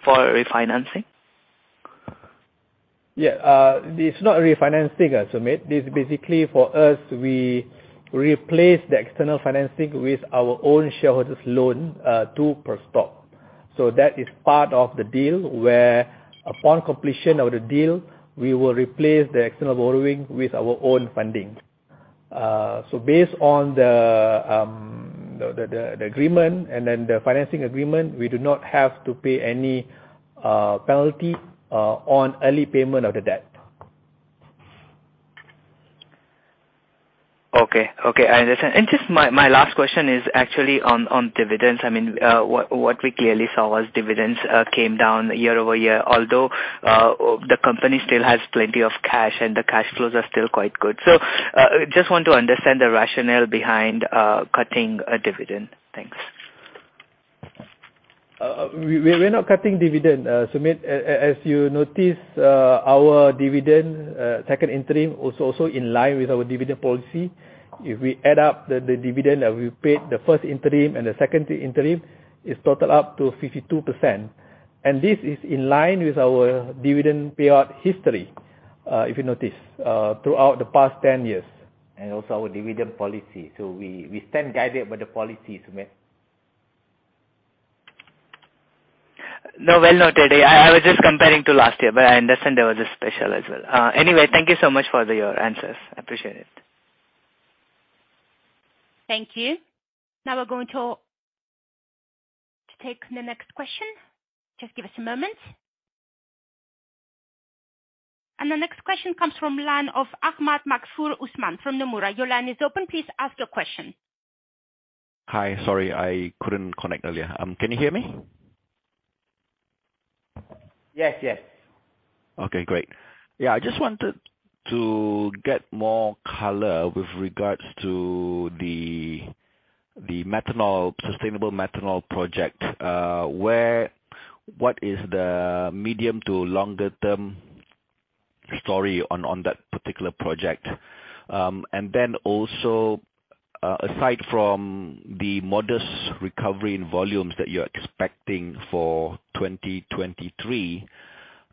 [SPEAKER 7] for refinancing?
[SPEAKER 4] It's not refinancing, Sumit. It's basically for us, we replace the external financing with our own shareholders loan to Perstorp. That is part of the deal where upon completion of the deal, we will replace the external borrowing with our own funding. Based on the agreement and the financing agreement, we do not have to pay any penalty on early payment of the debt.
[SPEAKER 7] Okay. Okay, I understand. Just my last question is actually on dividends. I mean, what we clearly saw was dividends came down year-over-year, although the company still has plenty of cash and the cash flows are still quite good. Just want to understand the rationale behind cutting dividend. Thanks.
[SPEAKER 4] we're not cutting dividend, Sumit. As you notice, our dividend, second interim was also in line with our dividend policy. If we add up the dividend that we paid, the first interim and the second interim is total up to 52%. This is in line with our dividend payout history, if you notice, throughout the past 10 years, and also our dividend policy. we stand guided by the policy, Sumit.
[SPEAKER 7] No, well noted. I was just comparing to last year, but I understand there was a special as well. Anyway, thank you so much for your answers. I appreciate it.
[SPEAKER 1] Thank you. Now we're going to take the next question. Just give us a moment. The next question comes from line of Ahmad Maghfur Usman from Nomura. Your line is open. Please ask your question.
[SPEAKER 8] Hi. Sorry, I couldn't connect earlier. Can you hear me?
[SPEAKER 3] Yes. Yes.
[SPEAKER 8] Okay, great. I just wanted to get more color with regards to the sustainable methanol project. What is the medium to longer term story on that particular project? Aside from the modest recovery in volumes that you're expecting for 2023,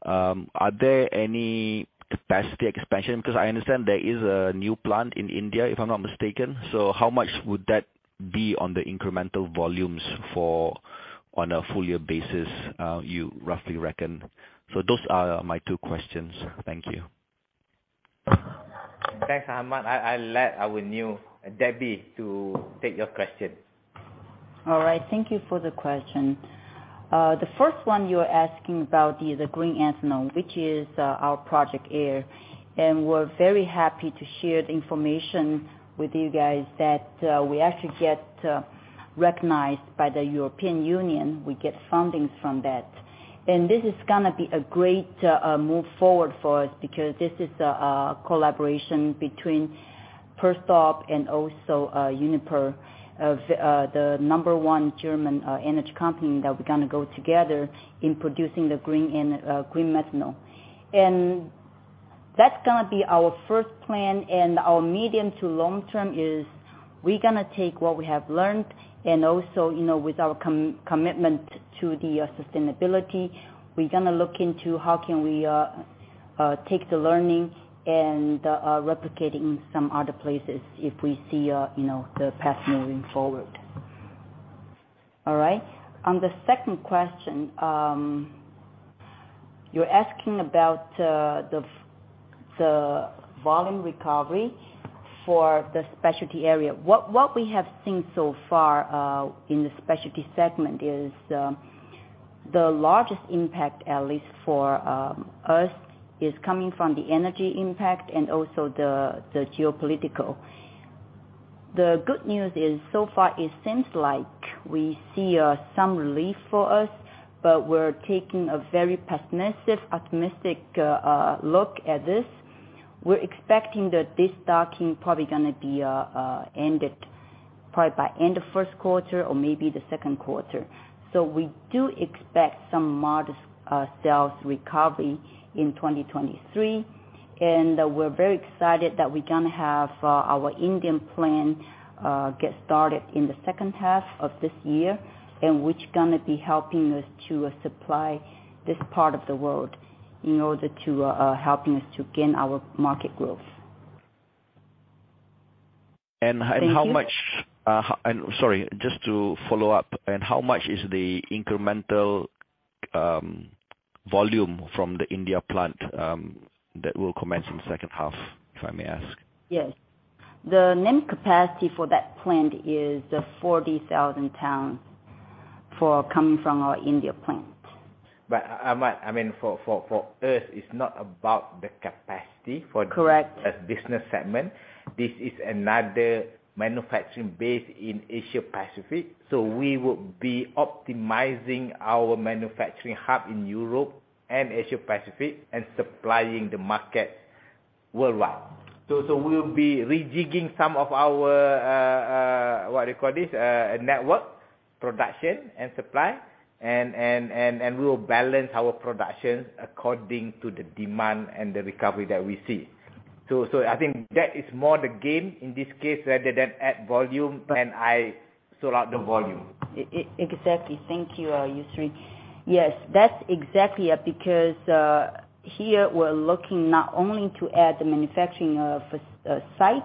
[SPEAKER 8] are there any capacity expansion? Because I understand there is a new plant in India, if I'm not mistaken. How much would that be on the incremental volumes for on a full year basis, you roughly reckon? Those are my two questions. Thank you.
[SPEAKER 3] Thanks, Ahmad. I let our new Debbie to take your question.
[SPEAKER 9] All right. Thank you for the question. The first one you're asking about is the green methanol, which is our Project Air. We're very happy to share the information with you guys that we actually get recognized by the European Union. We get fundings from that. This is gonna be a great move forward for us because this is a collaboration between Perstorp and also Uniper of the number one German energy company that we're gonna go together in producing the green and green methanol. That's gonna be our first plan. Our medium to long term is we're gonna take what we have learned and also, you know, with our commitment to the sustainability, we're gonna look into how can we take the learning and replicate in some other places if we see, you know, the path moving forward. All right. On the second question, you're asking about the volume recovery for the specialty area. What we have seen so far in the specialty segment is the largest impact, at least for us, is coming from the energy impact and also the geopolitical. The good news is so far it seems like we see some relief for us, but we're taking a very pessimistic, optimistic look at this. We're expecting that this stocking probably gonna be ended probably by end of first quarter or maybe the second quarter. We do expect some modest sales recovery in 2023. We're very excited that we're gonna have our Indian plant get started in the second half of this year, and which gonna be helping us to supply this part of the world in order to helping us to gain our market growth.
[SPEAKER 8] How much?
[SPEAKER 9] Thank you.
[SPEAKER 8] Sorry, just to follow up. How much is the incremental volume from the India plant that will commence in the second half, if I may ask?
[SPEAKER 9] Yes. The name capacity for that plant is 40,000 tons for coming from our India plant.
[SPEAKER 3] Ahmad, I mean, for us, it's not about the capacity.
[SPEAKER 9] Correct...
[SPEAKER 3] this business segment. This is another manufacturing base in Asia Pacific, so we would be optimizing our manufacturing hub in Europe and Asia Pacific and supplying the market worldwide. We'll be rejigging some of our, what you call this? network production and supply and we will balance our productions according to the demand and the recovery that we see. I think that is more the game in this case rather than add volume and I sort out the volume.
[SPEAKER 9] Exactly. Thank you, Yusri. Yes, that's exactly it, because here we're looking not only to add the manufacturing of site.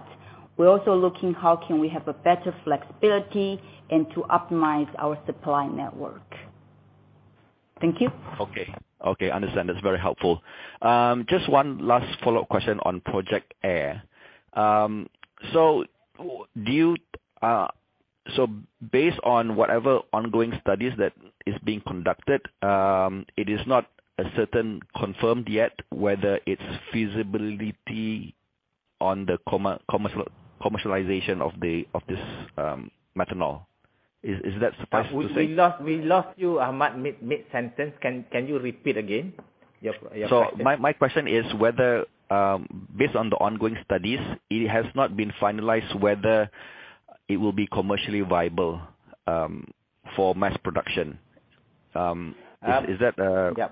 [SPEAKER 9] We're also looking how can we have a better flexibility and to optimize our supply network. Thank you.
[SPEAKER 8] Okay. Okay. Understand. That's very helpful. Just one last follow-up question on Project Air. Do you so based on whatever ongoing studies that is being conducted, it is not a certain confirmed yet whether it's feasibility on the commercialization of this methanol. Is that supposed to say?
[SPEAKER 3] We lost you, Ahmad, mid-sentence. Can you repeat again your question?
[SPEAKER 8] My question is whether, based on the ongoing studies, it has not been finalized whether it will be commercially viable for mass production. Is that?
[SPEAKER 3] Yeah.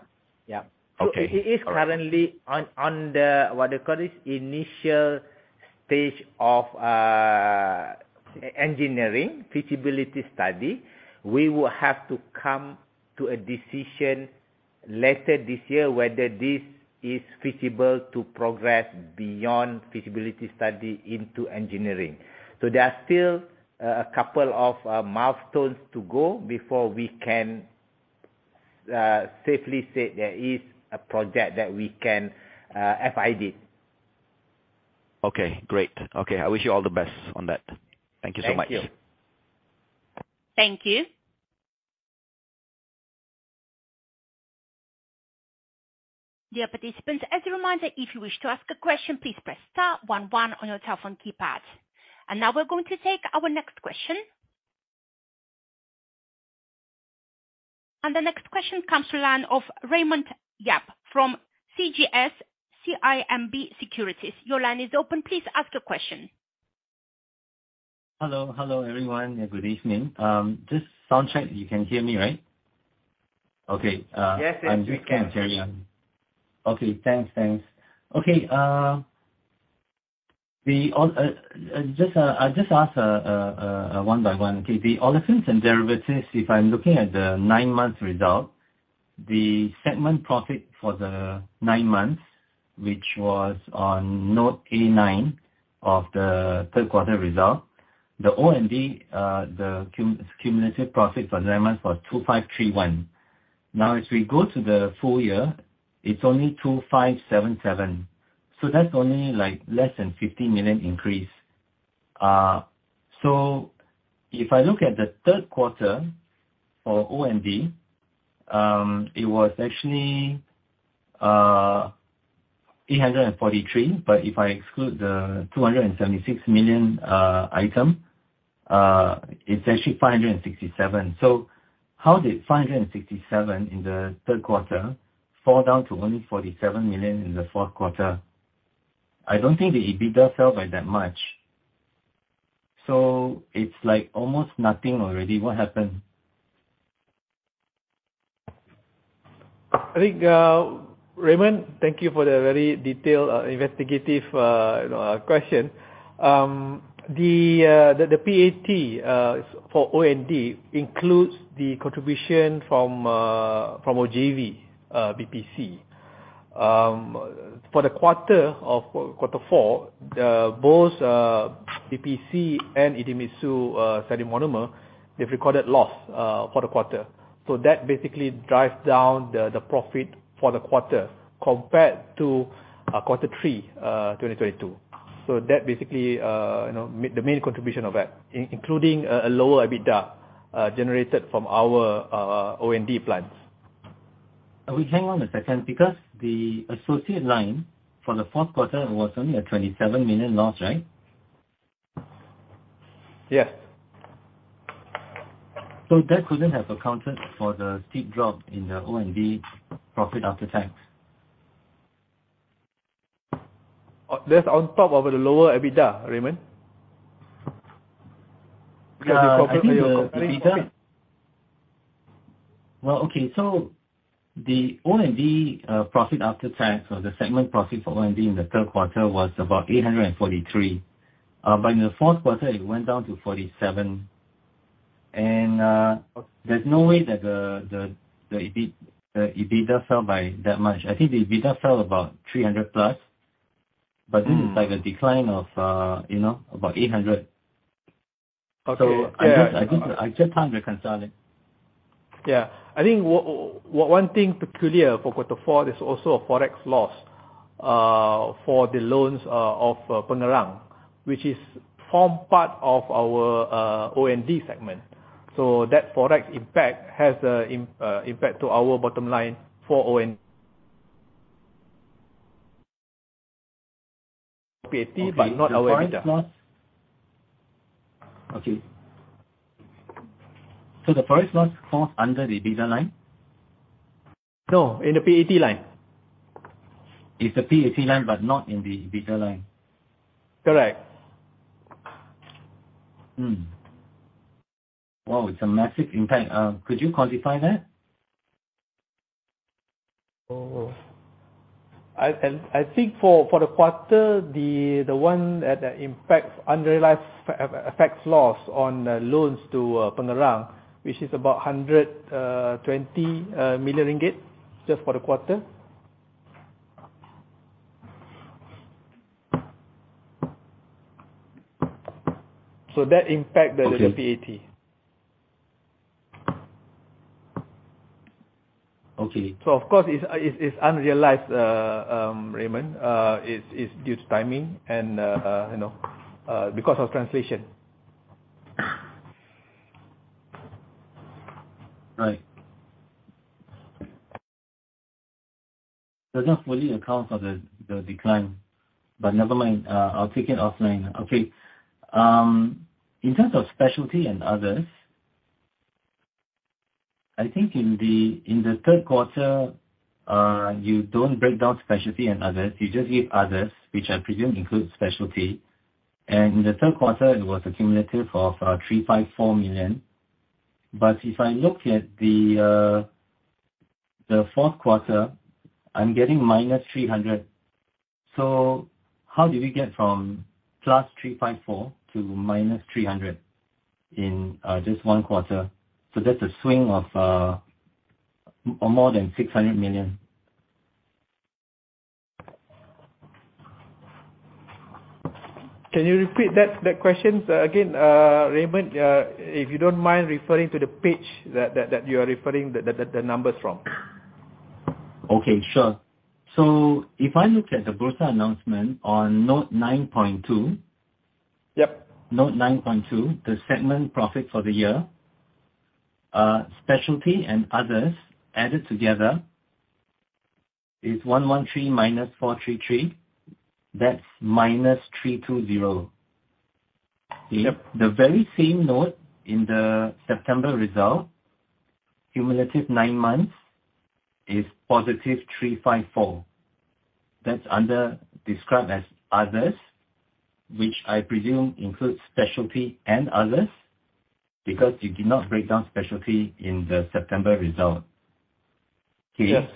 [SPEAKER 3] Yeah.
[SPEAKER 8] Okay. All right.
[SPEAKER 3] It is currently on the, what you call this, initial stage of engineering feasibility study. We will have to come to a decision later this year whether this is feasible to progress beyond feasibility study into engineering. There are still a couple of milestones to go before we can safely say there is a project that we can FID.
[SPEAKER 8] Okay, great. Okay. I wish you all the best on that. Thank you so much.
[SPEAKER 3] Thank you.
[SPEAKER 1] Thank you. Dear participants, as a reminder, if you wish to ask a question, please press star 1 1 on your telephone keypad. Now we're going to take our next question. The next question comes to line of Raymond Yap from CGS-CIMB Securities. Your line is open. Please ask your question.
[SPEAKER 10] Hello. Hello, everyone. Good evening. just sound check. You can hear me, right? Okay.
[SPEAKER 4] Yes, yes, we can.
[SPEAKER 10] I'm good. Carry on. Okay, thanks. Thanks. Okay. I'll just ask one by one. The Olefins & Derivatives, if I'm looking at the nine-month result, the segment profit for the nine months, which was on note 89 of the third quarter result, the O&D, the cumulative profit for nine months was 2,531 million. As we go to the full year, it's only 2,577 million, so that's only, like, less than 50 million increase. If I look at the third quarter for O&D, it was actually 843 million, but if I exclude the 276 million item, it's actually 567 million. How did 567 in the third quarter fall down to only 47 million in the fourth quarter? I don't think the EBITDA fell by that much. It's like almost nothing already. What happened?
[SPEAKER 4] I think, Raymond, thank you for the very detailed, investigative, you know, question. The, the PAT for O&D includes the contribution from JV BPC. For the quarter of quarter four, the both BPC and Idemitsu Styrene (M), they've recorded loss for the quarter. That basically drives down the profit for the quarter compared to quarter three 2022. That basically, you know, the main contribution of that, including a lower EBITDA generated from our O&D plants.
[SPEAKER 10] Wait, hang on a second, because the associate line for the fourth quarter was only a 27 million loss, right?
[SPEAKER 4] Yeah.
[SPEAKER 10] That couldn't have accounted for the steep drop in the O&D profit after tax.
[SPEAKER 4] That's on top of the lower EBITDA, Raymond.
[SPEAKER 10] Yeah.
[SPEAKER 4] the corporate-
[SPEAKER 10] I think the EBITDA.
[SPEAKER 4] Okay.
[SPEAKER 10] Okay, the O&D, profit after tax or the segment profit for O&D in the third quarter was about 843. In the fourth quarter, it went down to 47. There's no way that the EBITDA fell by that much. I think the EBITDA fell about 300+.
[SPEAKER 4] Mm.
[SPEAKER 10] This is like a decline of, you know, about 800.
[SPEAKER 4] Okay. Yeah.
[SPEAKER 10] I just can't reconcile it.
[SPEAKER 4] Yeah. I think one thing peculiar for quarter four is also a ForEx loss, for the loans, of Pengerang, which is form part of our, O&D segment. That ForEx impact has a impact to our bottom line for O&D, PAT, but not our EBITDA.
[SPEAKER 10] Okay. The ForEx loss. Okay. The ForEx loss falls under the EBITDA line?
[SPEAKER 4] No, in the PAT line.
[SPEAKER 10] It's the PAT line, but not in the EBITDA line.
[SPEAKER 4] Correct.
[SPEAKER 10] Well, it's a massive impact. Could you quantify that?
[SPEAKER 4] I think for the quarter, the one that impacts unrealized effects loss on loans to Pengerang, which is about 120 million ringgit just for the quarter. That impact.
[SPEAKER 10] Okay.
[SPEAKER 4] -the PAT.
[SPEAKER 10] Okay.
[SPEAKER 4] Of course it's unrealized, Raymond, it's due to timing and, you know, because of translation.
[SPEAKER 10] Right. It does not fully account for the decline. Never mind, I'll take it offline. Okay. In terms of Specialty and Others, I think in the third quarter, you don't break down Specialty and Others. You just give Others, which I presume includes Specialty. And in the third quarter, it was a cumulative of 354 million. If I look at the fourth quarter, I'm getting minus 300. How did we get from plus 354 to minus 300 in just one quarter? That's a swing of more than MYR 600 million.
[SPEAKER 4] Can you repeat that question again, Raymond? If you don't mind referring to the page that you are referring the numbers from.
[SPEAKER 10] Okay, sure. If I look at the Bursa Malaysia announcement on note 9.2-
[SPEAKER 4] Yep.
[SPEAKER 10] Note 9.2, the segment profit for the year, Specialty and others added together is 113 minus 433. That's minus 320.
[SPEAKER 4] Yep.
[SPEAKER 10] The very same note in the September result, cumulative nine months is 354. That's under described as others, which I presume includes specialty and others, because you did not break down specialty in the September result.
[SPEAKER 4] Yes.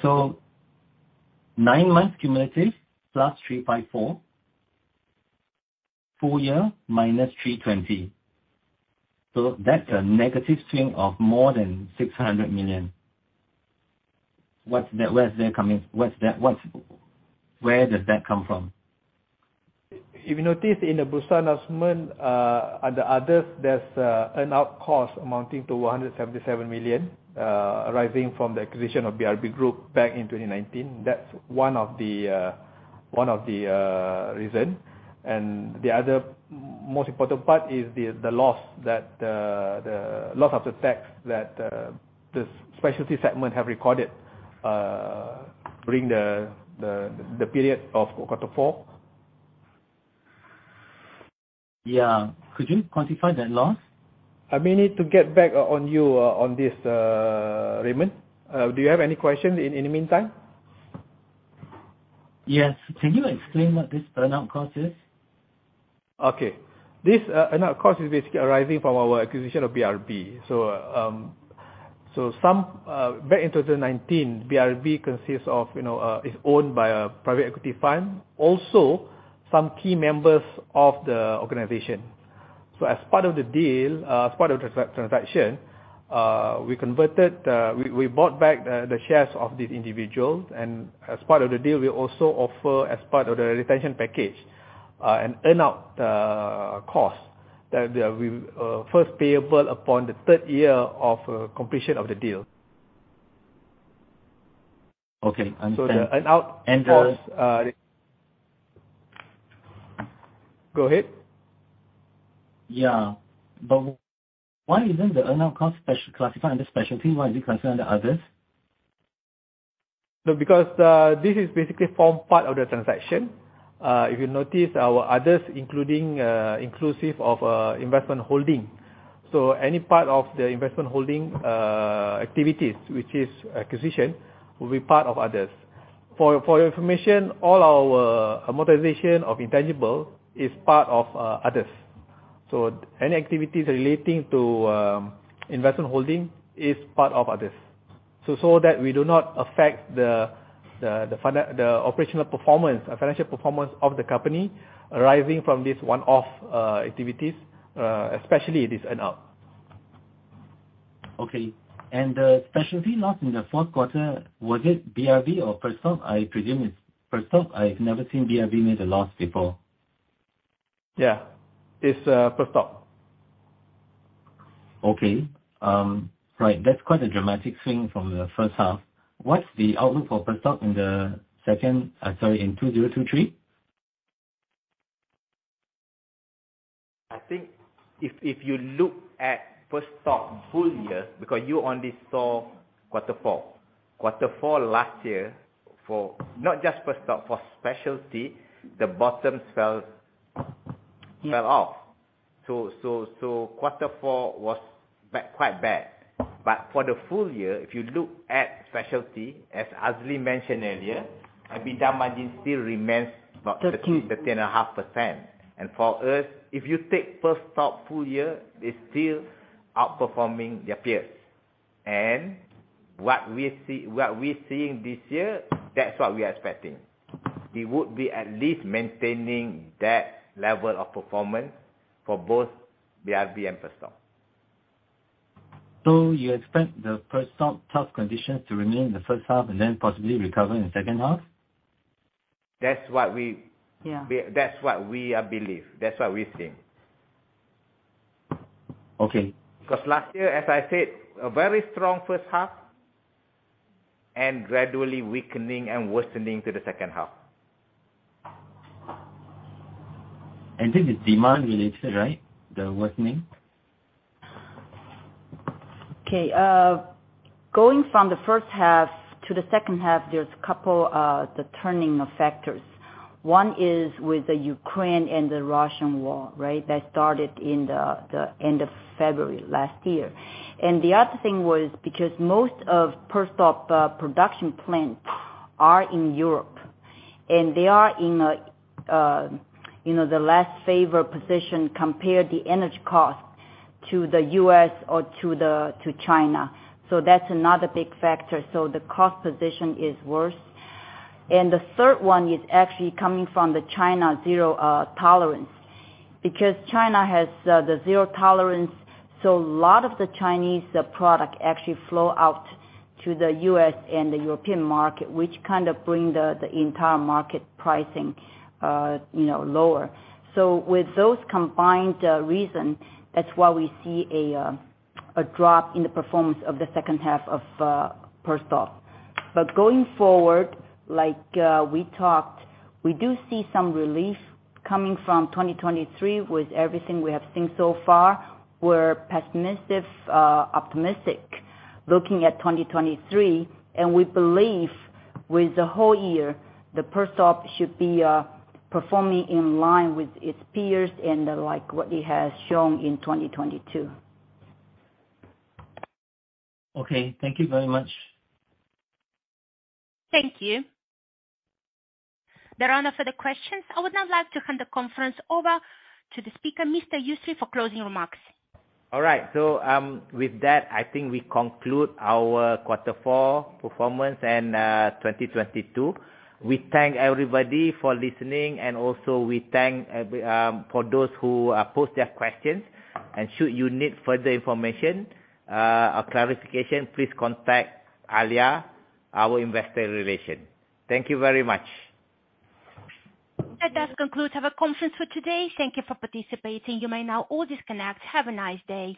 [SPEAKER 10] Nine months cumulative, +354. Full year, -320. That's a negative swing of more than 600 million. Where does that come from?
[SPEAKER 4] If you notice in the Bursa announcement, under others, there's earn-out costs amounting to 177 million, arising from the acquisition of BRB Group back in 2019. That's one of the reason. The other most important part is the loss that the loss after tax that the specialty segment have recorded during the period of Q4.
[SPEAKER 10] Yeah. Could you quantify that loss?
[SPEAKER 4] I may need to get back on you on this, Raymond. Do you have any questions in the meantime?
[SPEAKER 10] Yes. Can you explain what this earn-out cost is?
[SPEAKER 4] This earn-out cost is basically arising from our acquisition of BRB. Back in 2019, BRB consists of, you know, is owned by a private equity firm, also some key members of the organization. As part of the deal, as part of the transaction, we bought back the shares of these individuals. As part of the deal, we also offer, as part of the retention package, an earn-out cost that we first payable upon the third year of completion of the deal.
[SPEAKER 10] Okay. Understand.
[SPEAKER 4] The earn-out cost.
[SPEAKER 10] And the-
[SPEAKER 4] Go ahead.
[SPEAKER 10] Yeah. Why isn't the earn-out cost special classified under Specialty? Why is it classified under others?
[SPEAKER 4] Because this is basically form part of the transaction. If you notice our others, including inclusive of investment holding. Any part of the investment holding activities, which is acquisition, will be part of others. For your information, all our amortization of intangible is part of others. Any activities relating to investment holding is part of others. So that we do not affect the operational performance, financial performance of the company arising from this one-off activities, especially this earn-out.
[SPEAKER 10] Okay. The specialty loss in the fourth quarter, was it BRB or Perstorp? I presume it's Perstorp. I've never seen BRB make a loss before.
[SPEAKER 4] Yeah. It's, Perstorp.
[SPEAKER 10] Right. That's quite a dramatic swing from the first half. What's the outlook for Perstorp in the second... sorry, in 2023?
[SPEAKER 3] I think if you look at Perstorp full year, because you only saw quarter four. Quarter four last year for, not just Perstorp, for specialty, the bottom fell off. Quarter four was quite bad. For the full year, if you look at specialty, as Azli mentioned earlier, EBITDA margin still remains about 13 and half percent. For us, if you take Perstorp full year, it's still outperforming their peers. What we see, what we're seeing this year, that's what we're expecting. We would be at least maintaining that level of performance for both BRB and Perstorp.
[SPEAKER 10] You expect the Perstorp tough conditions to remain in the first half and then possibly recover in the second half?
[SPEAKER 3] That's what.
[SPEAKER 9] Yeah.
[SPEAKER 3] That's what we believe. That's what we're seeing.
[SPEAKER 10] Okay.
[SPEAKER 3] 'Cause last year, as I said, a very strong first half and gradually weakening and worsening to the second half.
[SPEAKER 10] This is demand related, right? The worsening.
[SPEAKER 9] Okay. Going from the first half to the second half, there's a couple, the turning of factors. One is with the Ukraine and the Russian war, right? That started in the end of February last year. The other thing was because most of Perstorp production plants are in Europe, and they are in a, you know, the less favored position compare the energy cost to the U.S. or to China. That's another big factor. The cost position is worse. The third one is actually coming from the China zero tolerance. China has the zero tolerance, a lot of the Chinese product actually flow out to the U.S. and the European market, which kind of bring the entire market pricing, you know, lower. With those combined reason, that's why we see a drop in the performance of the second half of Perstorp. Going forward, like we talked, we do see some relief coming from 2023 with everything we have seen so far. We're pessimistic, optimistic looking at 2023. We believe with the whole year, the Perstorp should be performing in line with its peers and like what it has shown in 2022.
[SPEAKER 10] Okay. Thank you very much.
[SPEAKER 1] Thank you. There are no further questions. I would now like to hand the conference over to the speaker, Mr. Yusri, for closing remarks.
[SPEAKER 3] All right. With that, I think we conclude our quarter four performance and 2022. We thank everybody for listening, and also we thank every for those who post their questions. Should you need further information or clarification, please contact Alia, our investor relation. Thank you very much.
[SPEAKER 1] That does conclude our conference for today. Thank you for participating. You may now all disconnect. Have a nice day.